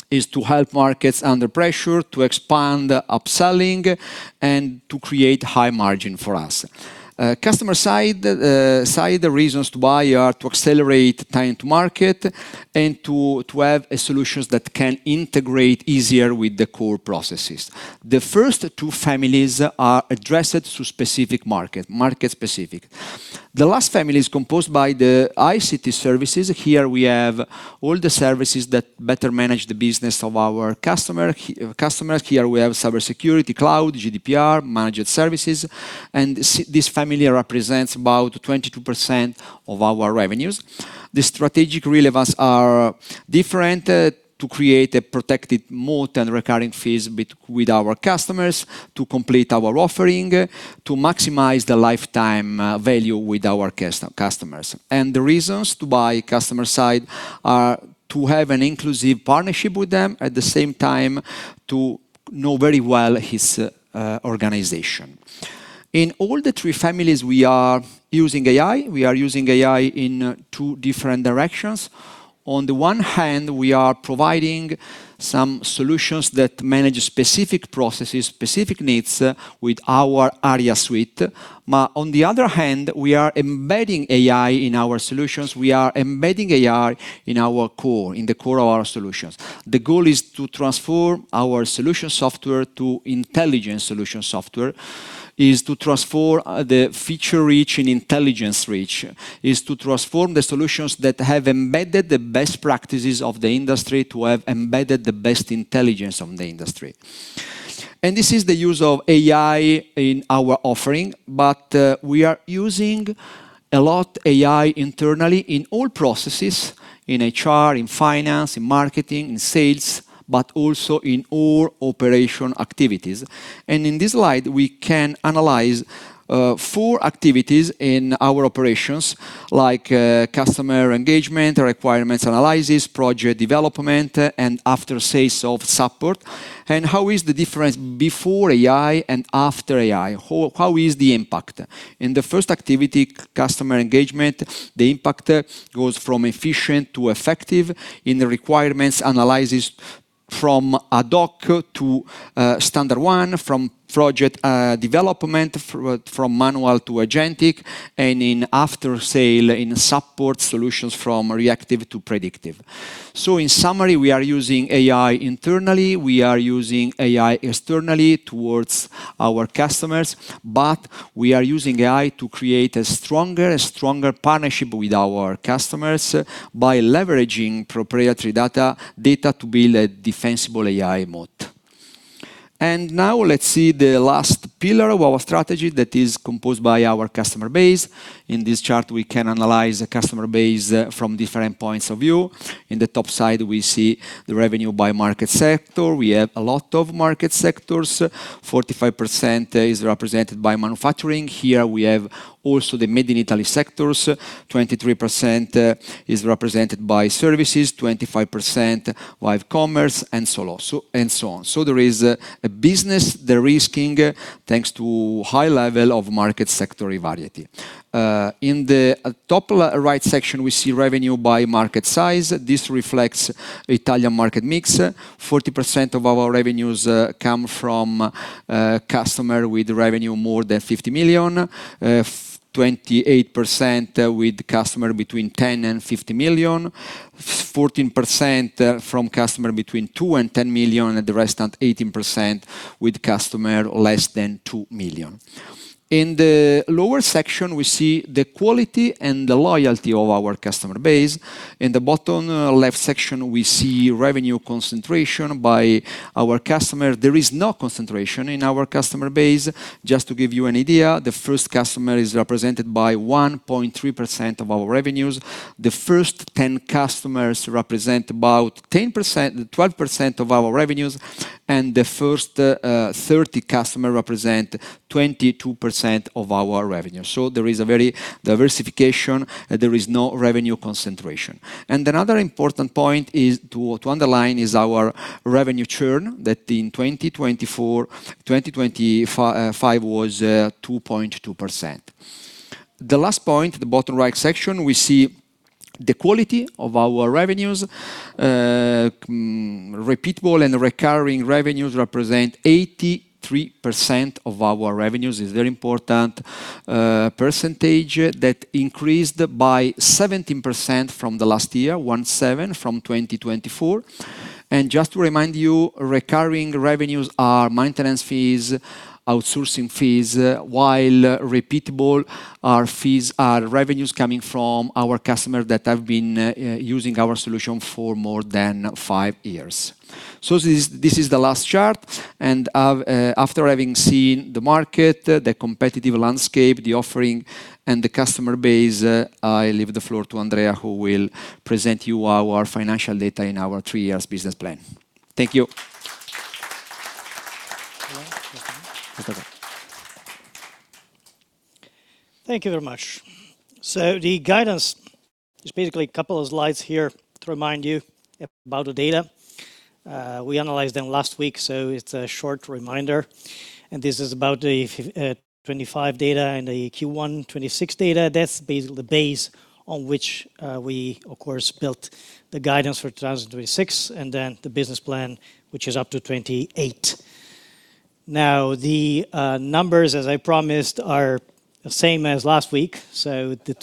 is to help markets under pressure, to expand upselling, and to create high margin for us. Customer side, the reasons to buy are to accelerate time to market and to have a solutions that can integrate easier with the core processes. The first two families are addressed to specific market-specific. The last family is composed by the ICT services. Here we have all the services that better manage the business of our customers. Here we have cybersecurity, cloud, GDPR, managed services, and this family represents about 22% of our revenues. The strategic relevance are different to create a protected moat and recurring fees with our customers to complete our offering, to maximize the lifetime value with our customers. The reasons to buy customer side are to have an inclusive partnership with them, at the same time to know very well his organization. In all the three families, we are using AI. We are using AI in two different directions. On the one hand, we are providing some solutions that manage specific processes, specific needs with our arIA suite. On the other hand, we are embedding AI in our solutions. We are embedding AI in our core, in the core of our solutions. The goal is to transform our solution software to intelligent solution software, is to transform the feature reach and intelligence reach, is to transform the solutions that have embedded the best practices of the industry to have embedded the best intelligence of the industry. This is the use of AI in our offering, but we are using a lot AI internally in all processes, in HR, in finance, in marketing, in sales, but also in all operation activities. In this slide, we can analyze 4 activities in our operations, like customer engagement, requirements analysis, project development and after-sales of support. How is the difference before AI and after AI? How is the impact? In the first activity, customer engagement, the impact goes from efficient to effective in the requirements analysis from ad hoc to standard 1, from project development, from manual to agentic, and in after sale in support solutions from reactive to predictive. In summary, we are using AI internally, we are using AI externally towards our customers, but we are using AI to create a stronger partnership with our customers by leveraging proprietary data to build a defensible AI moat. Now let's see the last pillar of our strategy that is composed by our customer base. In this chart, we can analyze the customer base from different points of view. In the top side, we see the revenue by market sector. We have a lot of market sectors. 45% is represented by manufacturing. Here we have also the made in Italy sectors. 23% is represented by services, 25% by commerce, and so on. There is a business de-risking thanks to high level of market sector variety. In the top right section, we see revenue by market size. This reflects Italian market mix. 40% of our revenues come from customer with revenue more than 50 million, 28% with customer between 10 million and 50 million, 14% from customer between 2 million and 10 million, and the rest at 18% with customer less than 2 million. In the lower section, we see the quality and the loyalty of our customer base. In the bottom left section, we see revenue concentration by our customer. There is no concentration in our customer base. Just to give you an idea, the first customer is represented by 1.3% of our revenues. The first 10 customers represent about 10%-12% of our revenues, and the first 30 customer represent 22% of our revenue. There is a very diversification. There is no revenue concentration. Another important point to underline is our revenue churn that in 2024/2025 was 2.2%. The last point, the bottom right section, we see the quality of our revenues. Repeatable and recurring revenues represent 83% of our revenues. Is very important percentage that increased by 17% from the last year, 17 from 2024. Just to remind you, recurring revenues are maintenance fees, outsourcing fees, while repeatable are revenues coming from our customer that have been using our solution for more than five years. This is the last chart. After having seen the market, the competitive landscape, the offering, and the customer base, I leave the floor to Andrea, who will present you our financial data in our three years business plan. Thank you. Thank you very much. The guidance is basically a couple of slides here to remind you about the data. We analyzed them last week, so it's a short reminder. This is about the 2025 data and the Q1 2026 data. That's the base on which we of course built the guidance for 2026 and then the business plan, which is up to 2028. The numbers, as I promised, are the same as last week. The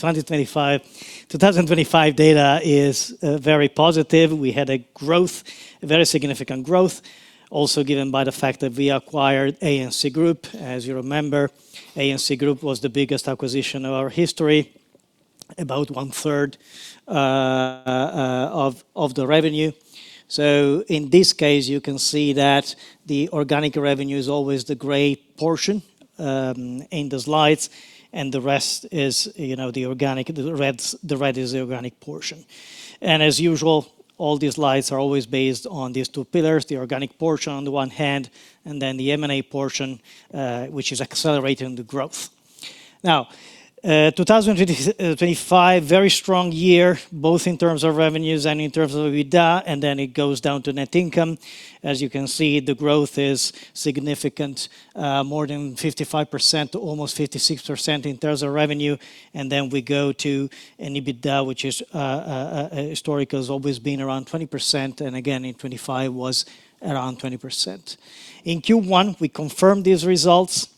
2025 data is very positive. We had a growth, a very significant growth also given by the fact that we acquired A&C Group. As you remember, A&C Group was the biggest acquisition of our history. About 1/3 of the revenue. In this case, you can see that the organic revenue is always the gray portion in the slides, and the rest is, you know, the red is the organic portion. As usual, all these slides are always based on these two pillars, the organic portion on the one hand, and then the M&A portion, which is accelerating the growth. 2025, very strong year, both in terms of revenues and in terms of EBITDA, and then it goes down to net income. As you can see, the growth is significant, more than 55% to almost 56% in terms of revenue. We go to an EBITDA, which is historically has always been around 20%, and again in 2025 was around 20%. In Q1, we confirmed these results.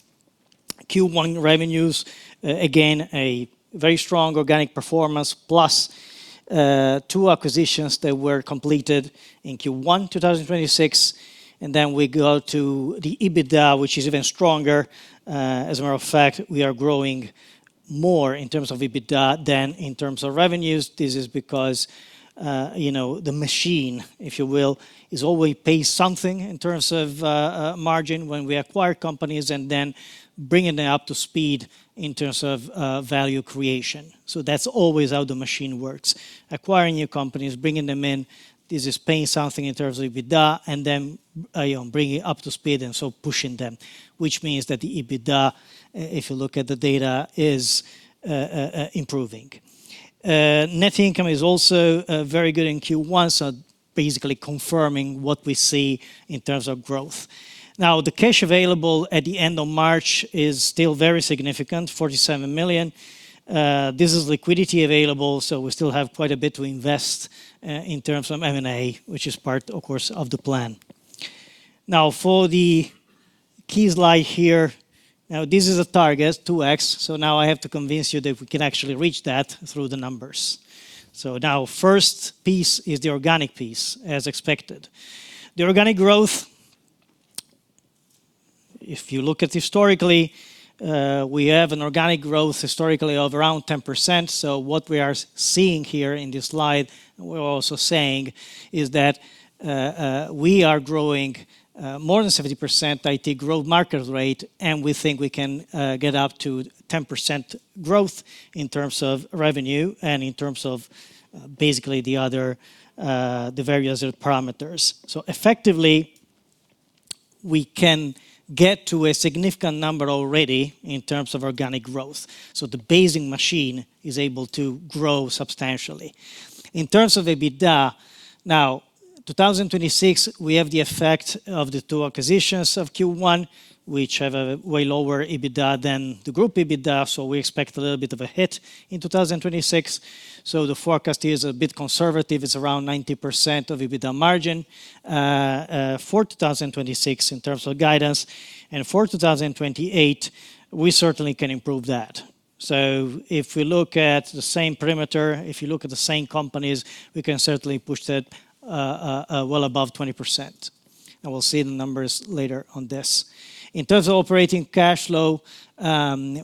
Q1 revenues, again, a very strong organic performance plus two acquisitions that were completed in Q1, 2026. We go to the EBITDA, which is even stronger. As a matter of fact, we are growing more in terms of EBITDA than in terms of revenues. This is because, you know, the machine, if you will, is always pays something in terms of margin when we acquire companies and then bringing them up to speed in terms of value creation. That's always how the machine works. Acquiring new companies, bringing them in. This is paying something in terms of EBITDA and then, you know, bringing up to speed and so pushing them, which means that the EBITDA, if you look at the data, is improving. Net income is also very good in Q1, so basically confirming what we see in terms of growth. The cash available at the end of March is still very significant, 47 million. This is liquidity available, so we still have quite a bit to invest in terms of M&A, which is part, of course, of the plan. For the keys lie here. This is a target, 2x, so now I have to convince you that we can actually reach that through the numbers. First piece is the organic piece, as expected. The organic growth, if you look at historically, we have an organic growth historically of around 10%. What we are seeing here in this slide, we're also saying is that we are growing more than 70% IT growth market rate, and we think we can get up to 10% growth in terms of revenue and in terms of basically the other, the various parameters. Effectively, we can get to a significant number already in terms of organic growth. The basing machine is able to grow substantially. In terms of EBITDA, now 2026, we have the effect of the two acquisitions of Q1, which have a way lower EBITDA than the group EBITDA, so we expect a little bit of a hit in 2026. The forecast is a bit conservative. It's around 90% of EBITDA margin for 2026 in terms of guidance. For 2028, we certainly can improve that. If we look at the same perimeter, if you look at the same companies, we can certainly push that well above 20%. We'll see the numbers later on this. In terms of operating cash flow,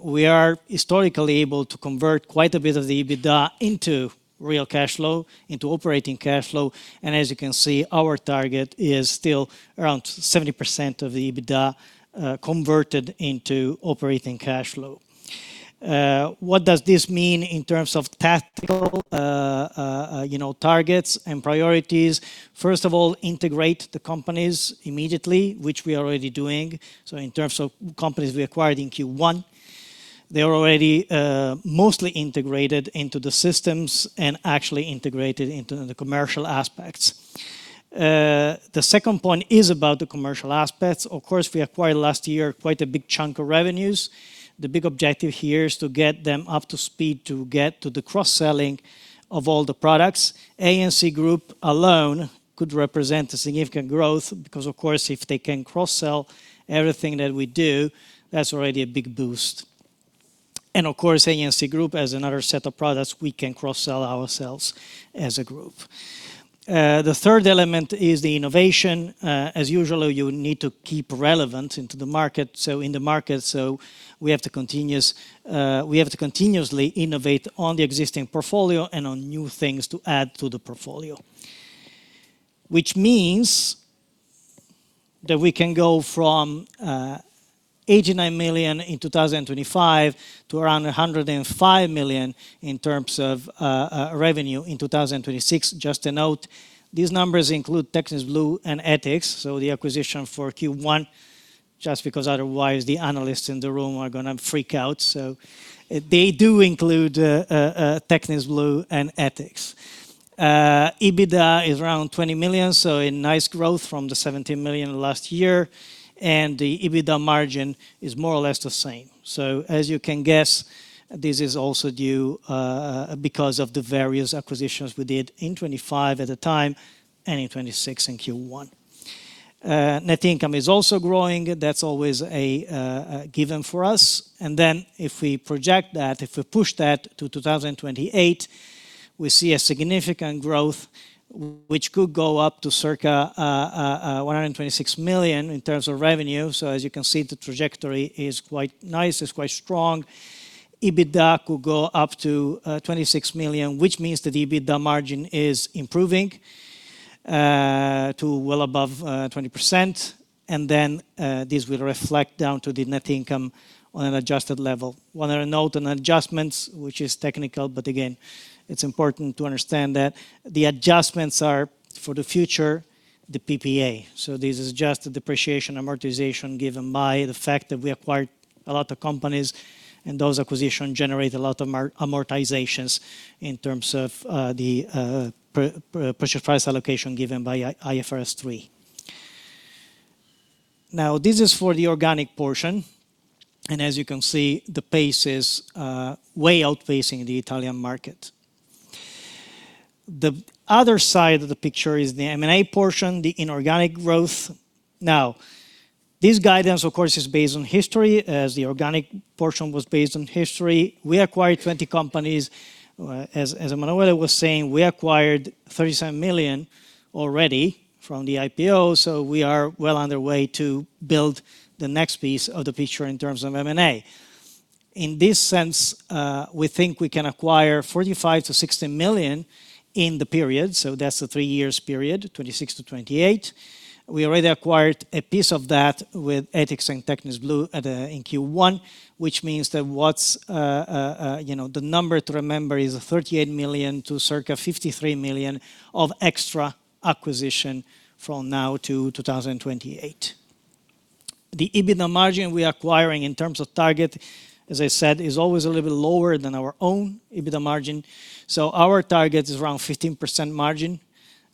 we are historically able to convert quite a bit of the EBITDA into real cash flow, into operating cash flow. As you can see, our target is still around 70% of the EBITDA converted into operating cash flow. What does this mean in terms of tactical, you know, targets and priorities? First of all, integrate the companies immediately, which we are already doing. In terms of companies we acquired in Q1, they are already mostly integrated into the systems and actually integrated into the commercial aspects. The second point is about the commercial aspects. Of course, we acquired last year quite a big chunk of revenues. The big objective here is to get them up to speed to get to the cross-selling of all the products. A&C Group alone could represent a significant growth because, of course, if they can cross-sell everything that we do, that's already a big boost. Of course, A&C Group has another set of products we can cross-sell ourselves as a group. The third element is the innovation. As usual, you need to keep relevant into the market, so in the market, so we have to continuously innovate on the existing portfolio and on new things to add to the portfolio. Which means that we can go from 89 million in 2025 to around 105 million in terms of revenue in 2026. Just to note, these numbers include Technis Blu and et.ics, so the acquisition for Q1, just because otherwise the analysts in the room are gonna freak out. They do include Technis Blu and et.ics. EBITDA is around 20 million, so a nice growth from the 17 million last year, and the EBITDA margin is more or less the same. As you can guess, this is also due because of the various acquisitions we did in 25 at the time and in 26 in Q1. Net income is also growing. That's always a given for us. If we project that, if we push that to 2028. We see a significant growth which could go up to circa 126 million in terms of revenue. As you can see, the trajectory is quite nice, it's quite strong. EBITDA could go up to 26 million, which means that EBITDA margin is improving to well above 20%. This will reflect down to the net income on an adjusted level. One other note on adjustments, which is technical, but again, it's important to understand that the adjustments are for the future, the PPA. This is just the depreciation amortization given by the fact that we acquired a lot of companies, and those acquisition generate a lot of amortizations in terms of the purchase price allocation given by IFRS 3. This is for the organic portion, and as you can see, the pace is way outpacing the Italian market. The other side of the picture is the M&A portion, the inorganic growth. This guidance, of course, is based on history, as the organic portion was based on history. We acquired 20 companies. As Emanuele was saying, we acquired 37 million already from the IPO, so we are well on their way to build the next piece of the picture in terms of M&A. In this sense, we think we can acquire 45 million-60 million in the period, so that's a three-year period, 2026-2028. We already acquired a piece of that with et.ics and Technis Blu in Q1, which means that what's, you know, the number to remember is 38 million to circa 53 million of extra acquisition from now to 2028. The EBITDA margin we are acquiring in terms of target, as I said, is always a little lower than our own EBITDA margin. Our target is around 15% margin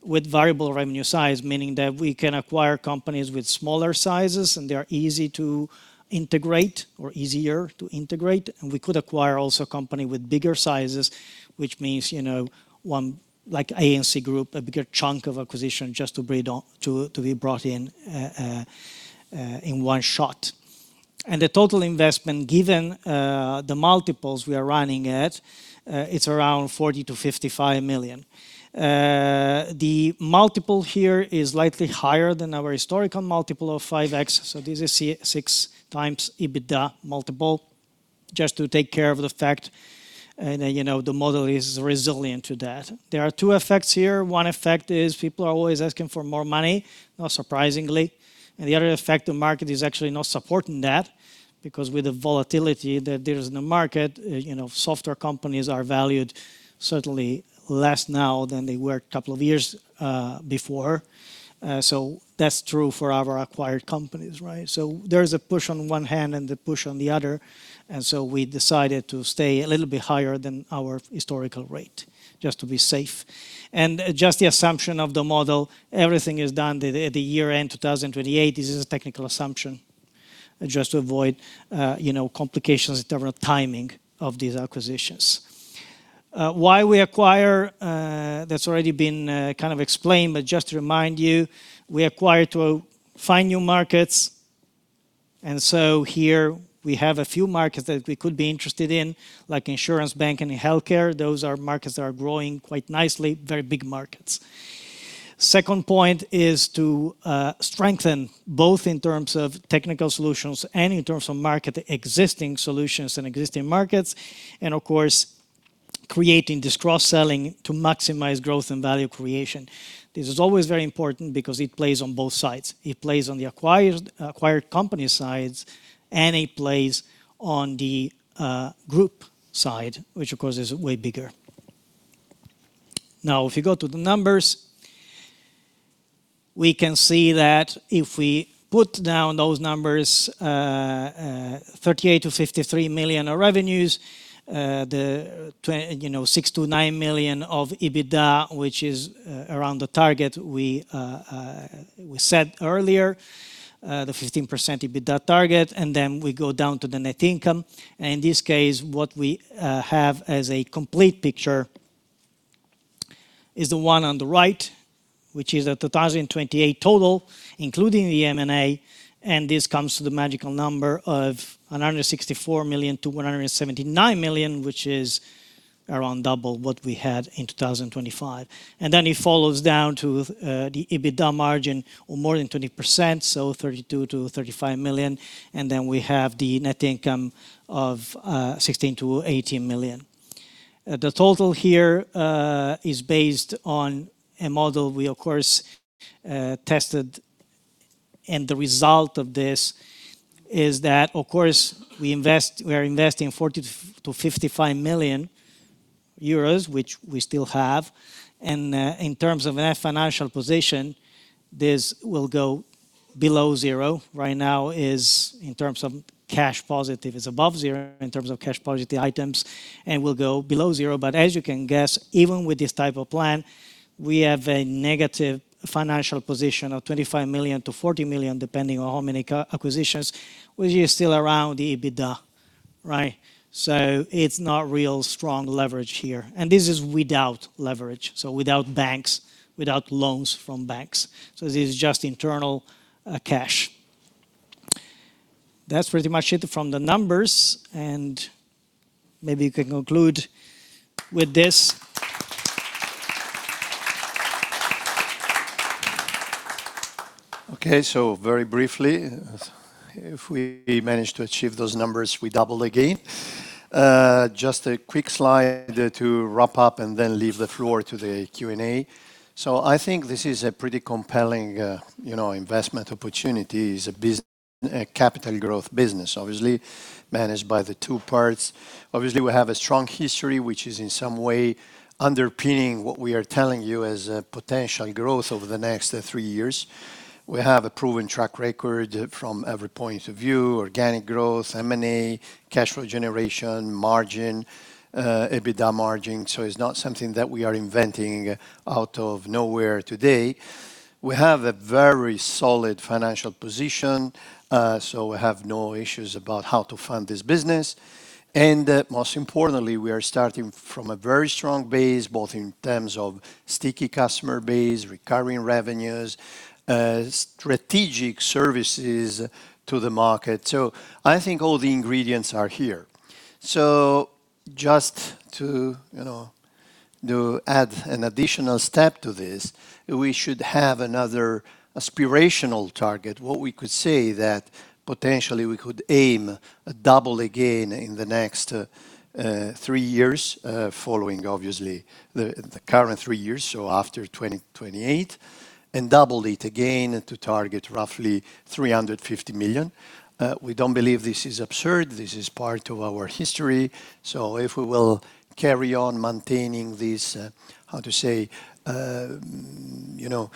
with variable revenue size, meaning that we can acquire companies with smaller sizes, and they are easy to integrate or easier to integrate. We could acquire also company with bigger sizes, which means, you know, one like A&C Group, a bigger chunk of acquisition just to be brought in in one shot. The total investment, given the multiples we are running at, it's around 40 million-55 million. The multiple here is slightly higher than our historical multiple of 5x, so this is 6x EBITDA multiple just to take care of the fact, and then, you know, the model is resilient to that. There are two effects here. One effect is people are always asking for more money, not surprisingly. The other effect, the market is actually not supporting that because with the volatility that there is in the market, you know, software companies are valued certainly less now than they were a couple of years before. That's true for our acquired companies, right? There is a push on one hand and the push on the other, and so we decided to stay a little bit higher than our historical rate just to be safe. Just the assumption of the model, everything is done the year-end 2028. This is a technical assumption just to avoid, you know, complications in terms of timing of these acquisitions. Why we acquire, that's already been kind of explained, but just to remind you, we acquire to find new markets. Here we have a few markets that we could be interested in, like insurance, banking, and healthcare. Those are markets that are growing quite nicely, very big markets. Second point is to strengthen both in terms of technical solutions and in terms of market existing solutions and existing markets, and of course, creating this cross-selling to maximize growth and value creation. This is always very important because it plays on both sides. It plays on the acquired company sides, and it plays on the group side, which of course is way bigger. If you go to the numbers, we can see that if we put down those numbers, 38 million-53 million of revenues, you know, 6 million-9 million of EBITDA, which is around the target we said earlier, the 15% EBITDA target, we go down to the net income. In this case, what we have as a complete picture is the one on the right, which is a 2028 total, including the M&A, this comes to the magical number of 164 million-179 million, which is around double what we had in 2025. Then it follows down to the EBITDA margin of more than 20%, so 32 million-35 million. Then we have the net income of 16 million-18 million. The total here is based on a model we of course tested, and the result of this is that, of course, we are investing 40 million-55 million euros, which we still have. In terms of net financial position, this will go below zero. Right now is in terms of cash positive, it's above zero in terms of cash positive items, and will go below zero. As you can guess, even with this type of plan, we have a negative financial position of 25 million-40 million, depending on how many acquisitions, which is still around the EBITDA, right? It's not real strong leverage here. This is without leverage, so without banks, without loans from banks. This is just internal cash. That's pretty much it from the numbers, and maybe you can conclude with this. Okay. Very briefly, if we manage to achieve those numbers, we double again. Just a quick slide to wrap up and then leave the floor to the Q&A. I think this is a pretty compelling, you know, investment opportunity. It's a capital growth business, obviously managed by the two parts. Obviously, we have a strong history, which is in some way underpinning what we are telling you as a potential growth over the next three years. We have a proven track record from every point of view: organic growth, M&A, cash flow generation, margin, EBITDA margin. It's not something that we are inventing out of nowhere today. We have a very solid financial position, so we have no issues about how to fund this business. Most importantly, we are starting from a very strong base, both in terms of sticky customer base, recurring revenues, strategic services to the market. I think all the ingredients are here. Just to, you know, to add an additional step to this, we should have another aspirational target. What we could say that potentially we could aim double again in the next three years, following obviously the current three years, so after 2028, and double it again to target roughly 350 million. We don't believe this is absurd. This is part of our history. If we will carry on maintaining this, how to say, you know,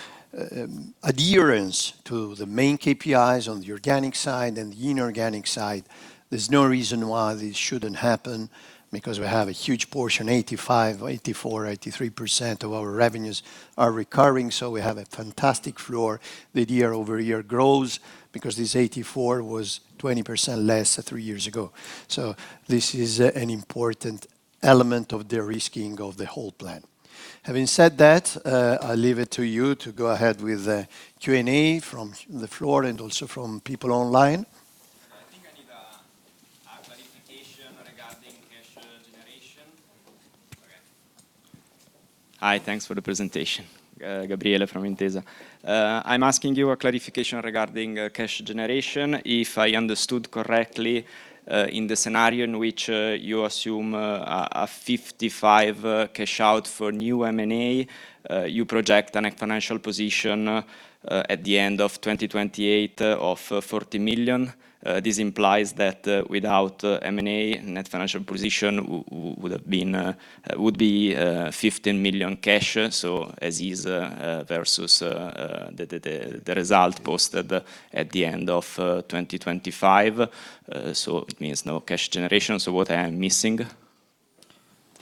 adherence to the main KPIs on the organic side and the inorganic side, there's no reason why this shouldn't happen, because we have a huge portion, 85%, 84%, 83% of our revenues are recurring. We have a fantastic floor with year-over-year growth because this 84% was 20% less three years ago. This is an important element of de-risking of the whole plan. Having said that, I'll leave it to you to go ahead with the Q&A from the floor and also from people online. I think I need a clarification regarding cash generation. Okay. Hi, thanks for the presentation. Gabriele from Intesa. I'm asking you a clarification regarding cash generation. If I understood correctly, in the scenario in which you assume a 55 cash out for new M&A, you project a net financial position at the end of 2028 of 40 million. This implies that without M&A, net financial position would have been, would be, 15 million cash. As is, versus the result posted at the end of 2025. It means no cash generation. What am I missing?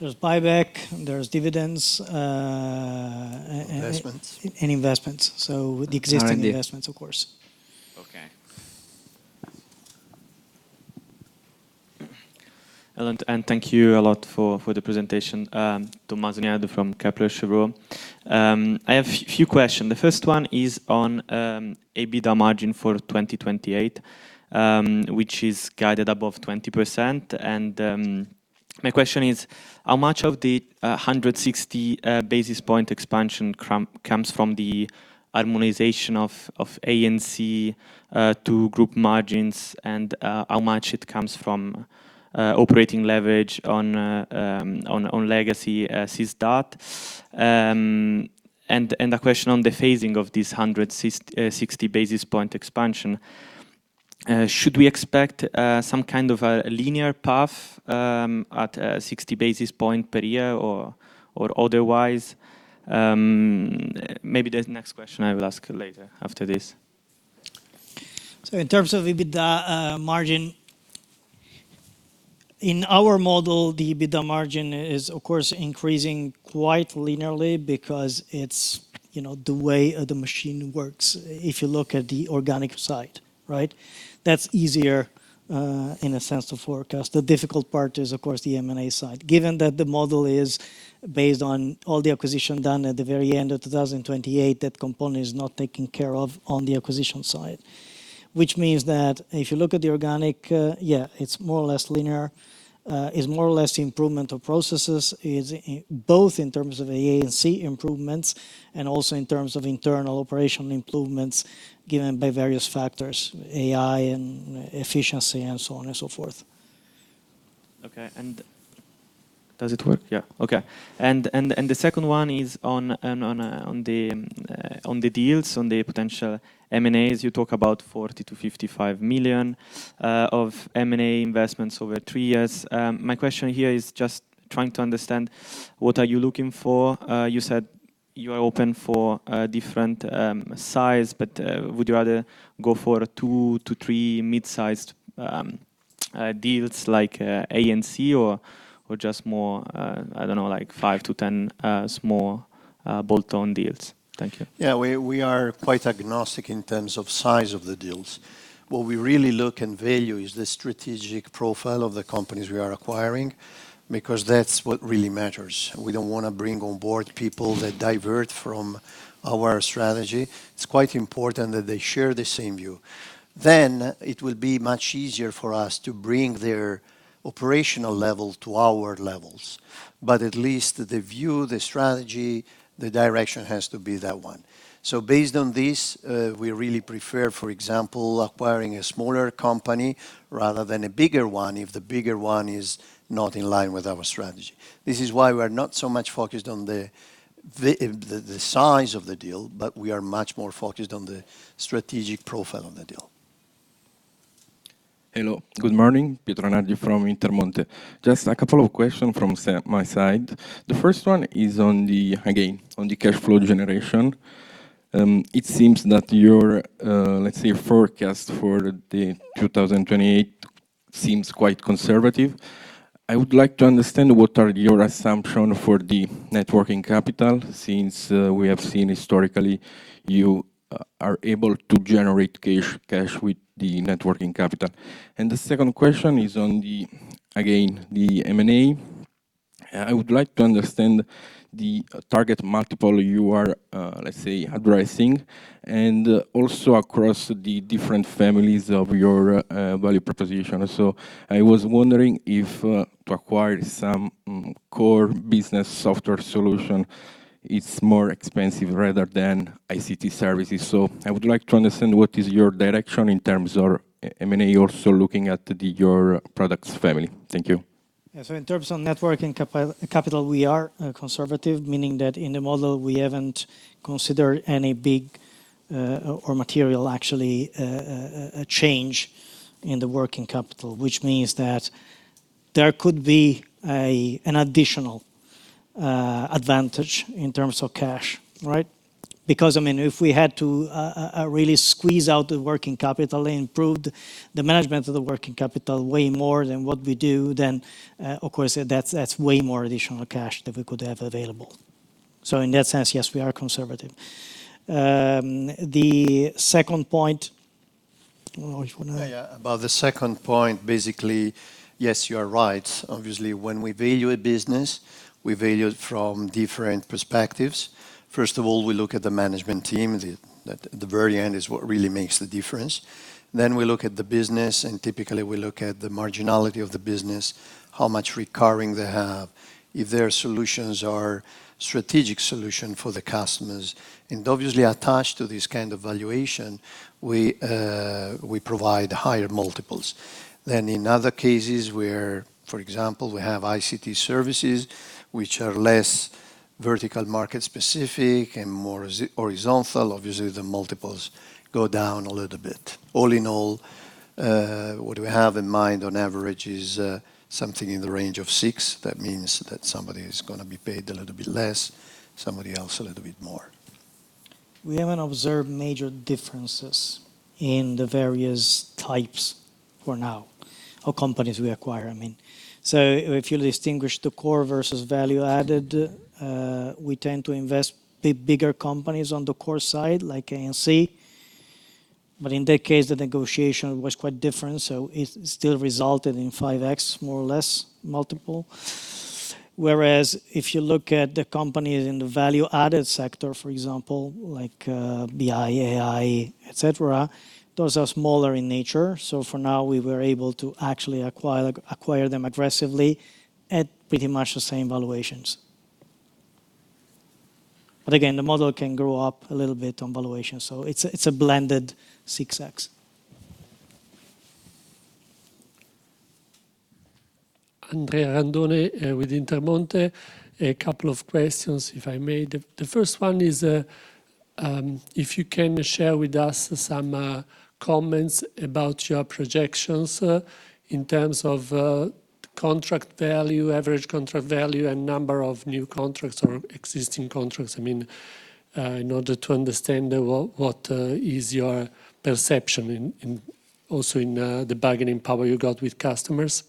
There's buyback, there's dividends. Investments Investments. The existing investments, of course. Okay. Hello, and thank you a lot for the presentation. Tommaso Nieddu from Kepler Cheuvreux. I have few question. The first one is on EBITDA margin for 2028, which is guided above 20%. My question is, how much of the 160 basis point expansion comes from the harmonization of AC to group margins and how much it comes from operating leverage on legacy SYS-DAT? A question on the phasing of this 160 basis point expansion. Should we expect some kind of a linear path at 60 basis point per year or otherwise? Maybe the next question I will ask later after this. In terms of EBITDA margin, in our model, the EBITDA margin is of course increasing quite linearly because it's, you know, the way the machine works if you look at the organic side, right? That's easier in a sense to forecast. The difficult part is of course the M&A side. Given that the model is based on all the acquisition done at the very end of 2028, that component is not taken care of on the acquisition side, which means that if you look at the organic, it's more or less linear. It's more or less the improvement of processes is both in terms of A&C improvements, and also in terms of internal operational improvements given by various factors, AI and efficiency and so on and so forth. Okay. Does it work? Yeah. Okay. The second one is on the deals, on the potential M&As. You talk about 40 million-55 million of M&A investments over three years. My question here is just trying to understand what are you looking for. You said you are open for a different size, but would you rather go for two to three mid-sized deals like A&C or just more, I don't know, like five to 10. Bolt-on deals. Thank you. Yeah, we are quite agnostic in terms of size of the deals. What we really look and value is the strategic profile of the companies we are acquiring, because that's what really matters. We don't want to bring on board people that divert from our strategy. It's quite important that they share the same view. It will be much easier for us to bring their operational level to our levels. At least the view, the strategy, the direction has to be that one. Based on this, we really prefer, for example, acquiring a smaller company rather than a bigger one, if the bigger one is not in line with our strategy. This is why we are not so much focused on the size of the deal, but we are much more focused on the strategic profile on the deal. Hello, good morning. Pietro Rinaldi from Intermonte. Just a couple of questions from my side. The first one is on the, again, on the cash flow generation. It seems that your, let's say forecast for the 2028 seems quite conservative. I would like to understand what are your assumptions for the net working capital, since we have seen historically you are able to generate cash with the net working capital. The second question is on the, again, the M&A. I would like to understand the target multiple you are, let's say addressing and also across the different families of your value proposition. I was wondering if to acquire some core business software solution, it's more expensive rather than ICT services. I would like to understand what is your direction in terms of M&A, also looking at the, your products family. Thank you. In terms of net working capital, we are conservative, meaning that in the model we haven't considered any big or material actually change in the working capital, which means that there could be an additional advantage in terms of cash, right? Because I mean, if we had to really squeeze out the working capital, improve the management of the working capital way more than what we do, then, of course that's way more additional cash that we could have available. In that sense, yes, we are conservative. The second point I don't know if you wanna- Yeah, about the second point, basically, yes, you are right. When we value a business, we value it from different perspectives. First of all, we look at the management team. The very end is what really makes the difference. We look at the business, typically we look at the marginality of the business, how much recurring they have, if their solutions are strategic solution for the customers. Obviously attached to this kind of valuation, we provide higher multiples. In other cases where, for example, we have ICT services which are less vertical market specific and more horizontal, obviously the multiples go down a little bit. All in all, what we have in mind on average is something in the range of 6x. That means that somebody is gonna be paid a little bit less, somebody else a little bit more. We haven't observed major differences in the various types for now, or companies we acquire, I mean. If you distinguish the core versus value added, we tend to invest bigger companies on the core side, like A&C. In that case, the negotiation was quite different, so it still resulted in 5x more or less multiple. Whereas if you look at the companies in the value added sector, for example like, BI, AI, et cetera, those are smaller in nature. For now we were able to actually acquire them aggressively at pretty much the same valuations. Again, the model can grow up a little bit on valuation, so it's a, it's a blended 6x. Andrea Randone, with Intermonte. A couple of questions, if I may. The first one is, if you can share with us some comments about your projections, in terms of contract value, average contract value, and number of new contracts or existing contracts, I mean, in order to understand what is your perception in also in the bargaining power you got with customers.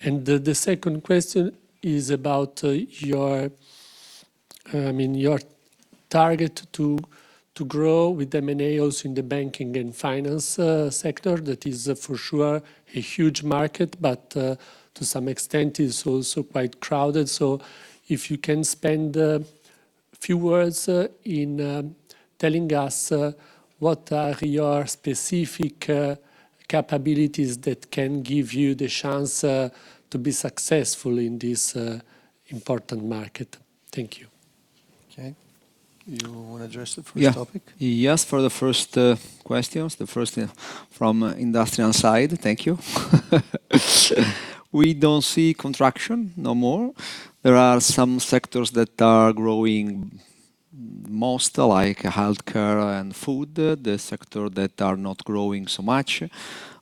The second question is about your, I mean, your target to grow with M&A also in the banking and finance sector. That is for sure a huge market, but to some extent is also quite crowded. If you can spend a few words, in, telling us, what are your specific, capabilities that can give you the chance, to be successful in this, important market. Thank you. Okay. You want to address the first topic? Yes, for the first questions, the first from industrial side. Thank you. We don't see contraction no more. There are some sectors that are growing most, like healthcare and food, the sector that are not growing so much.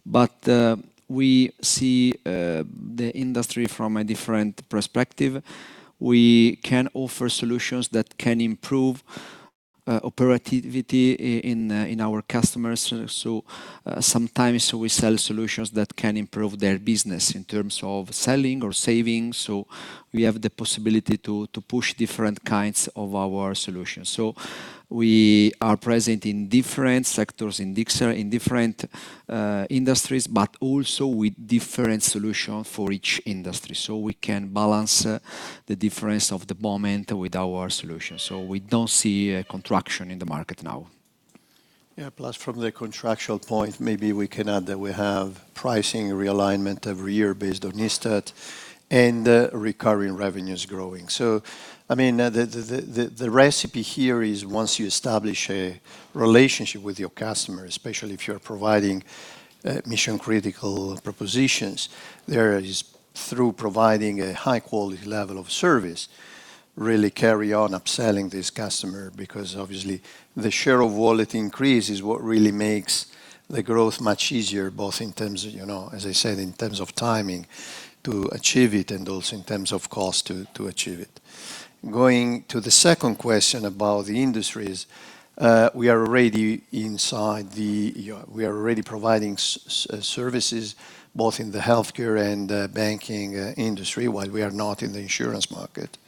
We see the industry from a different perspective. We can offer solutions that can improve operativity in our customers. Sometimes we sell solutions that can improve their business in terms of selling or saving. We have the possibility to push different kinds of our solutions. We are present in different sectors, in different industries, but also with different solution for each industry. We can balance the difference of the moment with our solution. We don't see a contraction in the market now. Yeah. Plus from the contractual point, maybe we can add that we have pricing realignment every year based on ISTAT and recurring revenues growing. I mean, the recipe here is once you establish a relationship with your customer, especially if you're providing mission critical propositions, there is through providing a high quality level of service, really carry on upselling this customer because obviously the share of wallet increase is what really makes the growth much easier, both in terms of, you know, as I said, in terms of timing to achieve it, and also in terms of cost to achieve it. Going to the second question about the industries, we are already inside the, we are already providing services both in the healthcare and banking industry while we are not in the insurance market.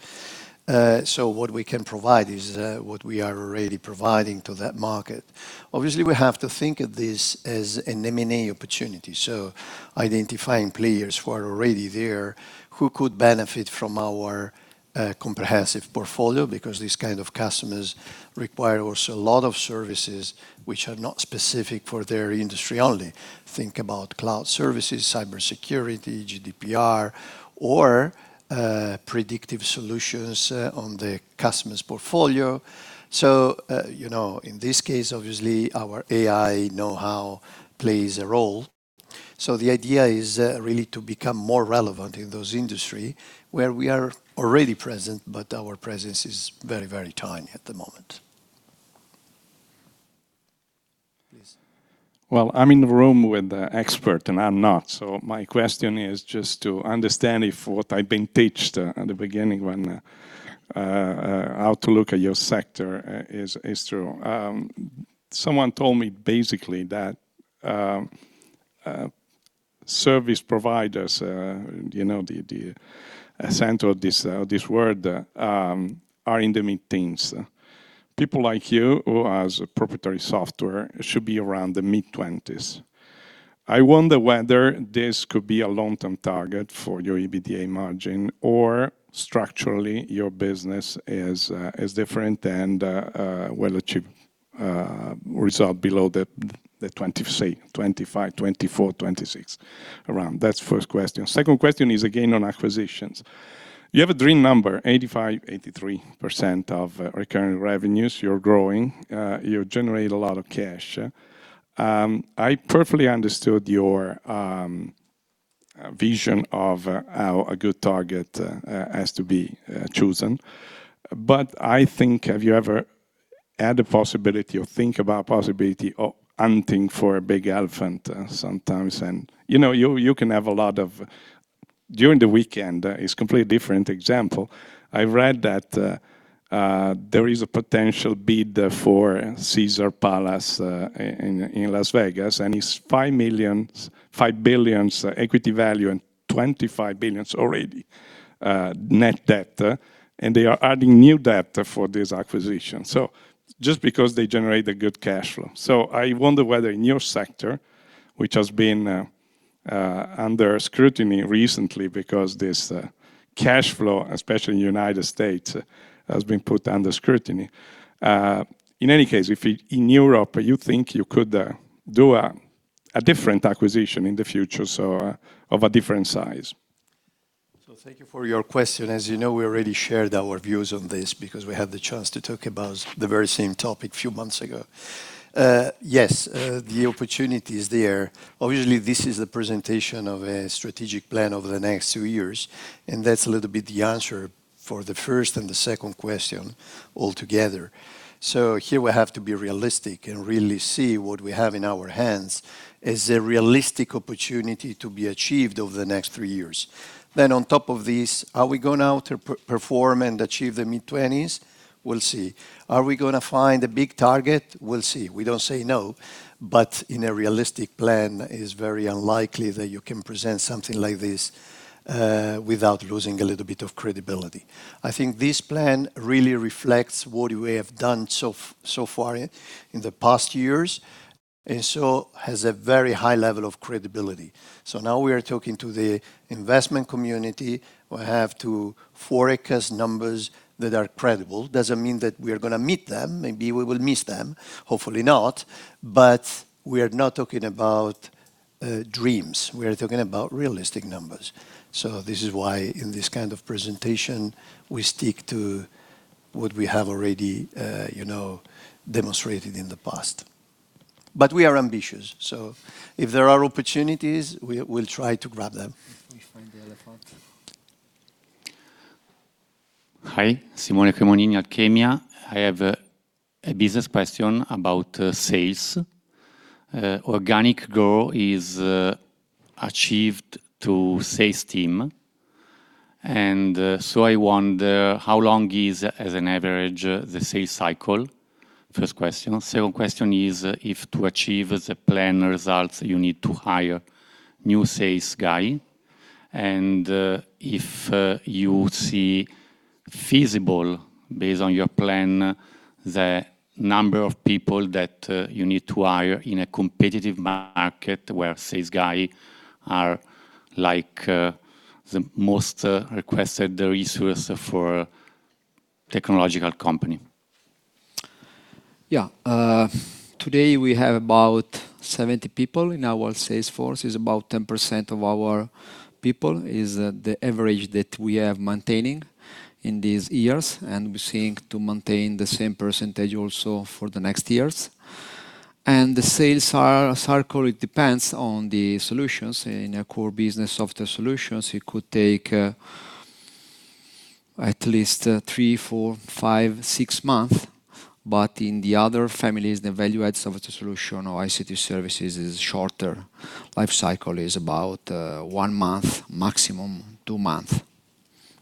What we can provide is what we are already providing to that market. Obviously we have to think of this as an M&A opportunity, so identifying players who are already there who could benefit from our comprehensive portfolio because these kind of customers require also a lot of services which are not specific for their industry only. Think about cloud services, cybersecurity, GDPR, or predictive solutions on the customer's portfolio. You know, in this case, obviously our AI knowhow plays a role. The idea is really to become more relevant in those industry where we are already present, but our presence is very, very tiny at the moment. Please. Well, I'm in the room with the expert, and I'm not. My question is just to understand if what I've been teached at the beginning when how to look at your sector is true. Someone told me basically that service providers, you know, the center of this world, are in the mid-teens. People like you who has a proprietary software should be around the mid-20s. I wonder whether this could be a long-term target for your EBITDA margin, or structurally your business is different and will achieve result below the 20 say, 25, 24, 26 around. That's first question. Second question is again, on acquisitions. You have a dream number, 85%, 83% of recurring revenues. You're growing, you generate a lot of cash. I perfectly understood your vision of how a good target has to be chosen, but I think have you ever had a possibility or think about possibility of hunting for a big elephant sometimes? You know, you can have a lot of During the weekend, it's completely different example. I read that there is a potential bid for Caesars Palace in Las Vegas, and it's 5 billion equity value and 25 billion already net debt. They are adding new debt for this acquisition, so just because they generate a good cash flow. I wonder whether in your sector, which has been under scrutiny recently because this cash flow, especially in U.S., has been put under scrutiny. In any case, if in Europe, you think you could do a different acquisition in the future, so of a different size? Thank you for your question. As you know, we already shared our views on this because we had the chance to talk about the very same topic few months ago. Yes, the opportunity is there. Obviously, this is the presentation of a strategic plan over the next two years, and that's a little bit the answer for the first and the second question altogether. Here we have to be realistic and really see what we have in our hands is a realistic opportunity to be achieved over the next three years. On top of this, are we gonna now to perform and achieve the mid-20s? We'll see. Are we gonna find a big target? We'll see. We don't say no, but in a realistic plan is very unlikely that you can present something like this without losing a little bit of credibility. I think this plan really reflects what we have done so far in the past years, and so has a very high level of credibility. Now we are talking to the investment community. We have to forecast numbers that are credible. Doesn't mean that we are gonna meet them. Maybe we will miss them, hopefully not. We are not talking about dreams. We are talking about realistic numbers. This is why in this kind of presentation, we stick to what we have already, you know, demonstrated in the past. We are ambitious, so if there are opportunities, we'll try to grab them. If we find the elephant. Hi. Simone Cremonini, Alkemia. I have a business question about sales. Organic growth is achieved to sales team. I wonder how long is as an average the sales cycle? First question. Second question is if to achieve the plan results you need to hire new sales guy, and if you see feasible based on your plan the number of people that you need to hire in a competitive market where sales guy are like the most requested resource for technological company. Yeah. Today we have about 70 people in our sales force, is about 10% of our people, is the average that we have maintaining in these years, and we're seeking to maintain the same percentage also for the next years. The sales are circle, it depends on the solutions. In a core business software solutions, it could take at least three, four, five, six months, but in the other families, the value add software solution or ICT services is shorter. Life cycle is about one month, maximum two months.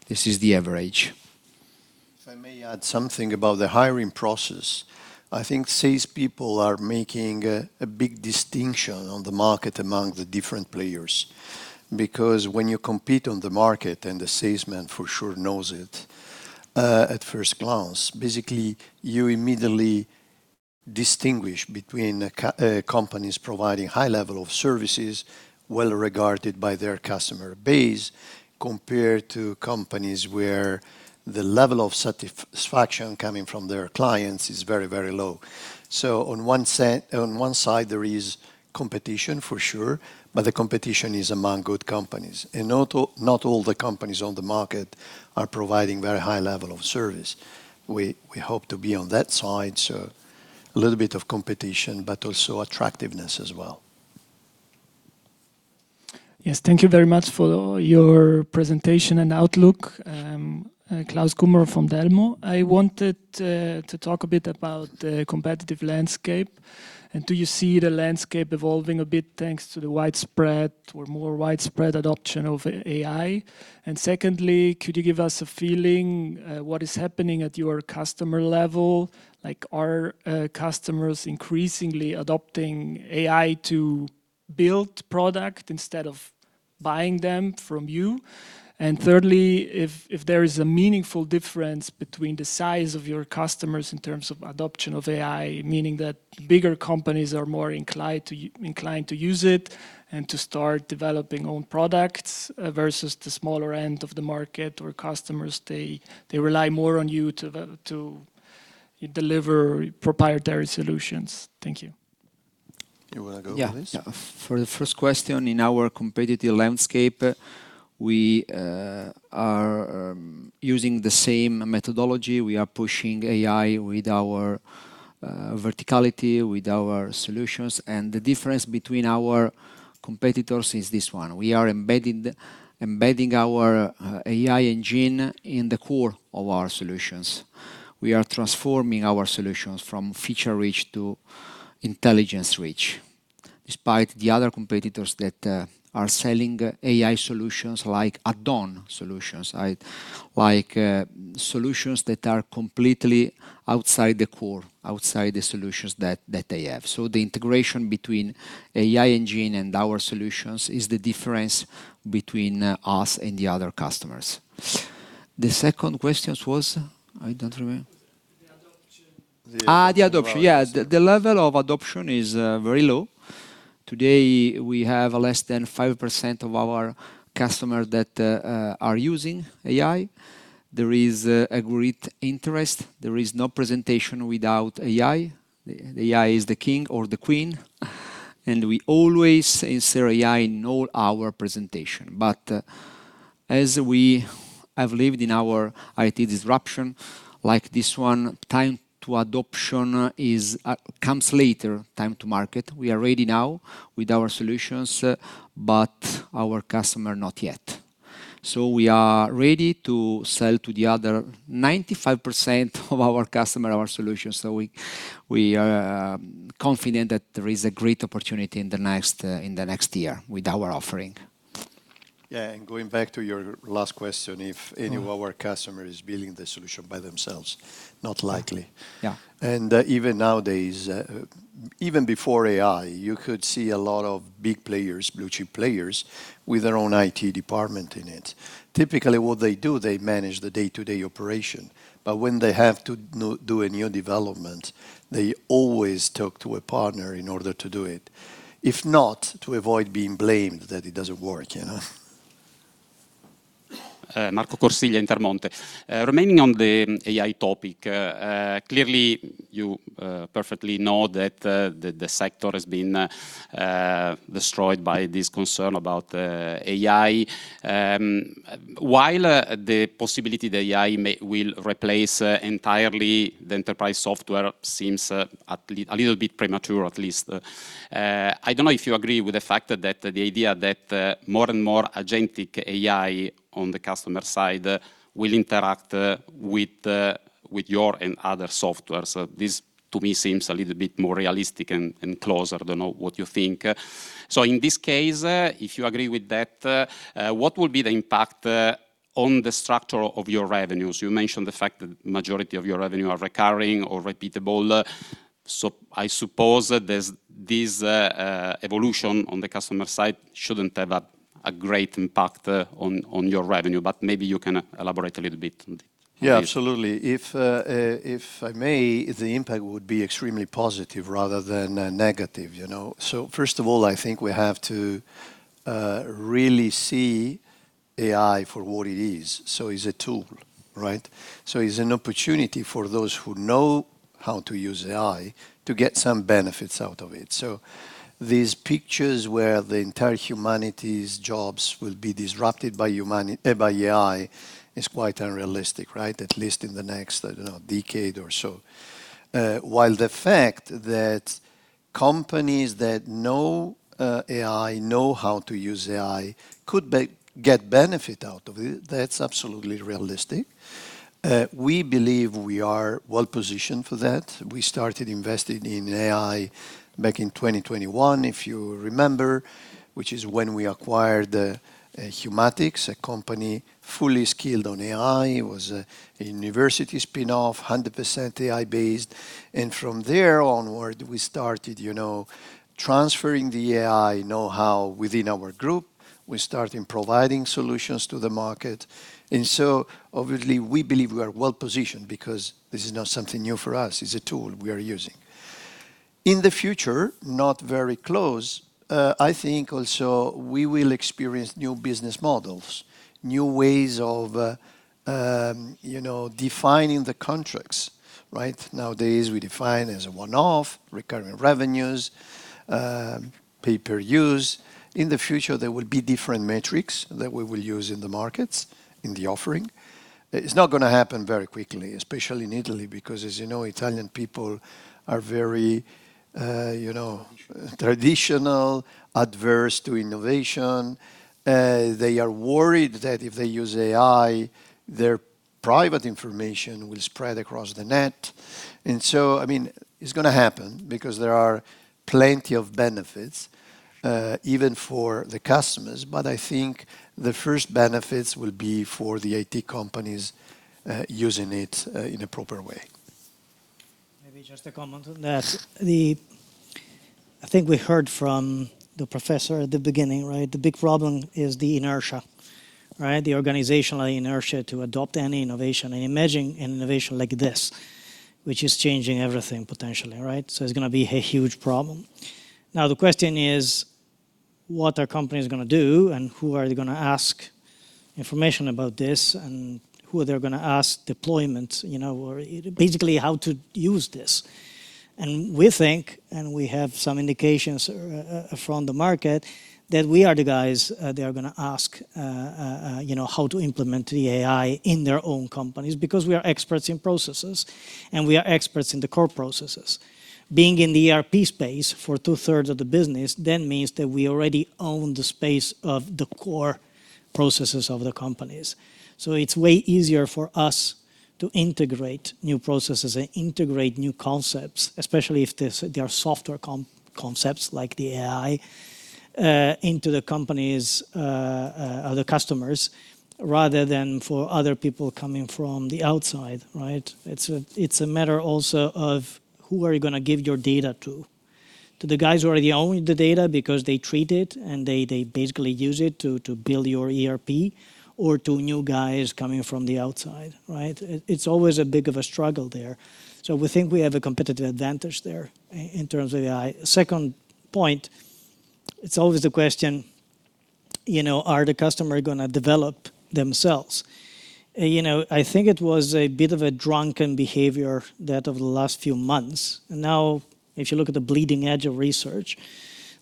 This is the average. If I may add something about the hiring process. I think salespeople are making a big distinction on the market among the different players because when you compete on the market, and the salesman for sure knows it, at first glance, basically you immediately distinguish between companies providing high level of services, well-regarded by their customer base, compared to companies where the level of satisfaction coming from their clients is very low. On one side there is competition for sure, but the competition is among good companies. Not all the companies on the market are providing very high level of service. We hope to be on that side, a little bit of competition, but also attractiveness as well. Yes, thank you very much for your presentation and outlook. Klaus Kummer from Delmore. I wanted to talk a bit about the competitive landscape. Do you see the landscape evolving a bit thanks to the widespread or more widespread adoption of AI? Secondly, could you give us a feeling what is happening at your customer level? Like, are customers increasingly adopting AI to build product instead of buying them from you? Thirdly, if there is a meaningful difference between the size of your customers in terms of adoption of AI, meaning that bigger companies are more inclined to use it and to start developing own products versus the smaller end of the market or customers, they rely more on you to deliver proprietary solutions. Thank you. You wanna go with this? Yeah, yeah. For the first question, in our competitive landscape, we are using the same methodology. We are pushing AI with our verticality, with our solutions. The difference between our competitors is this one. We are embedding our AI engine in the core of our solutions. We are transforming our solutions from feature reach to intelligence reach, despite the other competitors that are selling AI solutions like add-on solutions, right? Like solutions that are completely outside the core, outside the solutions that they have. The integration between AI engine and our solutions is the difference between us and the other customers. The second questions was? I don't remember. The adoption. The adoption. Yeah. The level of adoption is very low. Today we have less than 5% of our customers that are using AI. There is a great interest. There is no presentation without AI. AI is the king or the queen, and we always insert AI in all our presentation. As we have lived in our IT disruption, like this one, time to adoption comes later, time to market. We are ready now with our solutions, but our customer not yet. We are ready to sell to the other 95% of our customer our solutions. We are confident that there is a great opportunity in the next in the next year with our offering. Yeah, going back to your last question, if any of our customer is building the solution by themselves, not likely. Yeah. Even nowadays, even before AI, you could see a lot of big players, blue-chip players, with their own IT department in it. Typically, what they do, they manage the day-to-day operation. When they have to do a new development, they always talk to a partner in order to do it. If not, to avoid being blamed that it doesn't work, you know? Marco Corsiglia, Intermonte. Remaining on the AI topic, clearly you perfectly know that the sector has been destroyed by this concern about AI. While the possibility that AI will replace entirely the enterprise software seems a little bit premature at least, I don't know if you agree with the fact that the idea that more and more agentic AI on the customer side will interact with your and other software. This to me seems a little bit more realistic and closer. Don't know what you think. In this case, if you agree with that, what will be the impact on the structure of your revenues? You mentioned the fact that majority of your revenue are recurring or repeatable. I suppose that this evolution on the customer side shouldn't have a great impact on your revenue, but maybe you can elaborate a little bit on this. Yeah, absolutely. If I may, the impact would be extremely positive rather than negative, you know. First of all, I think we have to really see AI for what it is. It's a tool, right? It's an opportunity for those who know how to use AI to get some benefits out of it. These pictures where the entire humanity's jobs will be disrupted by AI is quite unrealistic, right? At least in the next, I dunno, decade or so. While the fact that companies that know AI, know how to use AI could get benefit out of it, that's absolutely realistic. We believe we are well-positioned for that. We started investing in AI back in 2021, if you remember, which is when we acquired Humatics, a company fully skilled on AI. It was a university spinoff, 100% AI-based. From there onward we started, you know, transferring the AI know-how within our group. We started providing solutions to the market. Obviously we believe we are well-positioned because this is not something new for us. It's a tool we are using. In the future, not very close, I think also we will experience new business models, new ways of, you know, defining the contracts, right? Nowadays, we define as a one-off, recurring revenues, pay per use. In the future, there will be different metrics that we will use in the markets in the offering. It's not gonna happen very quickly, especially in Italy, because as you know, Italian people are very, you know, traditional, adverse to innovation. They are worried that if they use AI, their private information will spread across the net. I mean, it's gonna happen because there are plenty of benefits, even for the customers. I think the first benefits will be for the IT companies, using it in a proper way. Maybe just a comment on that. I think we heard from the professor at the beginning, right? The big problem is the inertia, right? The organizational inertia to adopt any innovation. Imagine an innovation like this, which is changing everything potentially, right? It's gonna be a huge problem. Now, the question is what are companies gonna do and who are they gonna ask information about this and who are they gonna ask deployment, you know, or basically how to use this. We think, and we have some indications from the market, that we are the guys they are gonna ask, you know, how to implement the AI in their own companies because we are experts in processes, and we are experts in the core processes. Being in the ERP space for two-thirds of the business means that we already own the space of the core processes of the companies. It's way easier for us to integrate new processes and integrate new concepts, especially if there are software concepts like the AI, into the companies', the customers, rather than for other people coming from the outside, right? It's a matter also of who are you gonna give your data to. To the guys who already own the data because they treat it and they basically use it to build your ERP or to new guys coming from the outside, right? It's always a bit of a struggle there. We think we have a competitive advantage there in terms of AI. Second point, it's always the question, you know, are the customer gonna develop themselves? You know, I think it was a bit of a drunken behavior that of the last few months. Now, if you look at the bleeding edge of research,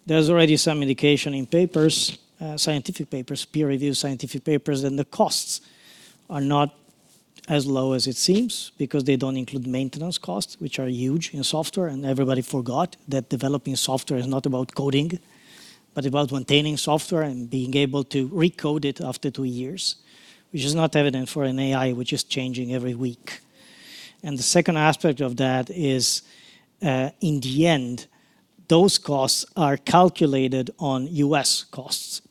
there's already some indication in papers, scientific papers, peer-reviewed scientific papers, and the costs are not as low as it seems because they don't include maintenance costs, which are huge in software. Everybody forgot that developing software is not about coding, but about maintaining software and being able to recode it after two years, which is not evident for an AI which is changing every week. The second aspect of that is, in the end, those costs are calculated on U.S. costs,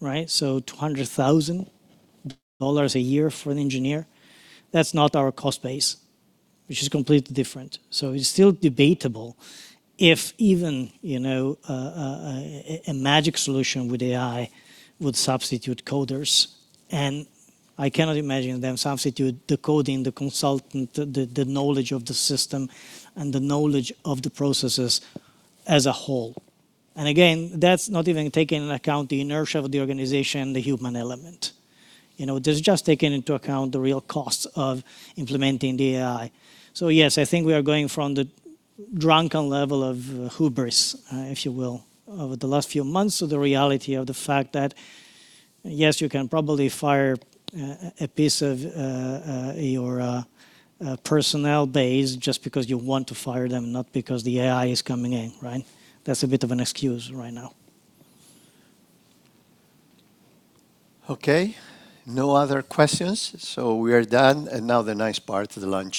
right? $200,000 a year for an engineer, that's not our cost base, which is completely different. It's still debatable if even, you know, a magic solution with AI would substitute coders. I cannot imagine them substitute the coding, the consultant, the knowledge of the system and the knowledge of the processes as a whole. Again, that's not even taking into account the inertia of the organization, the human element. You know, there's just taking into account the real costs of implementing the AI. Yes, I think we are going from the drunken level of hubris, if you will, over the last few months to the reality of the fact that, yes, you can probably fire a piece of your personnel base just because you want to fire them, not because the AI is coming in, right? That's a bit of an excuse right now. Okay. No other questions. We are done. Now the nice part, the lunch.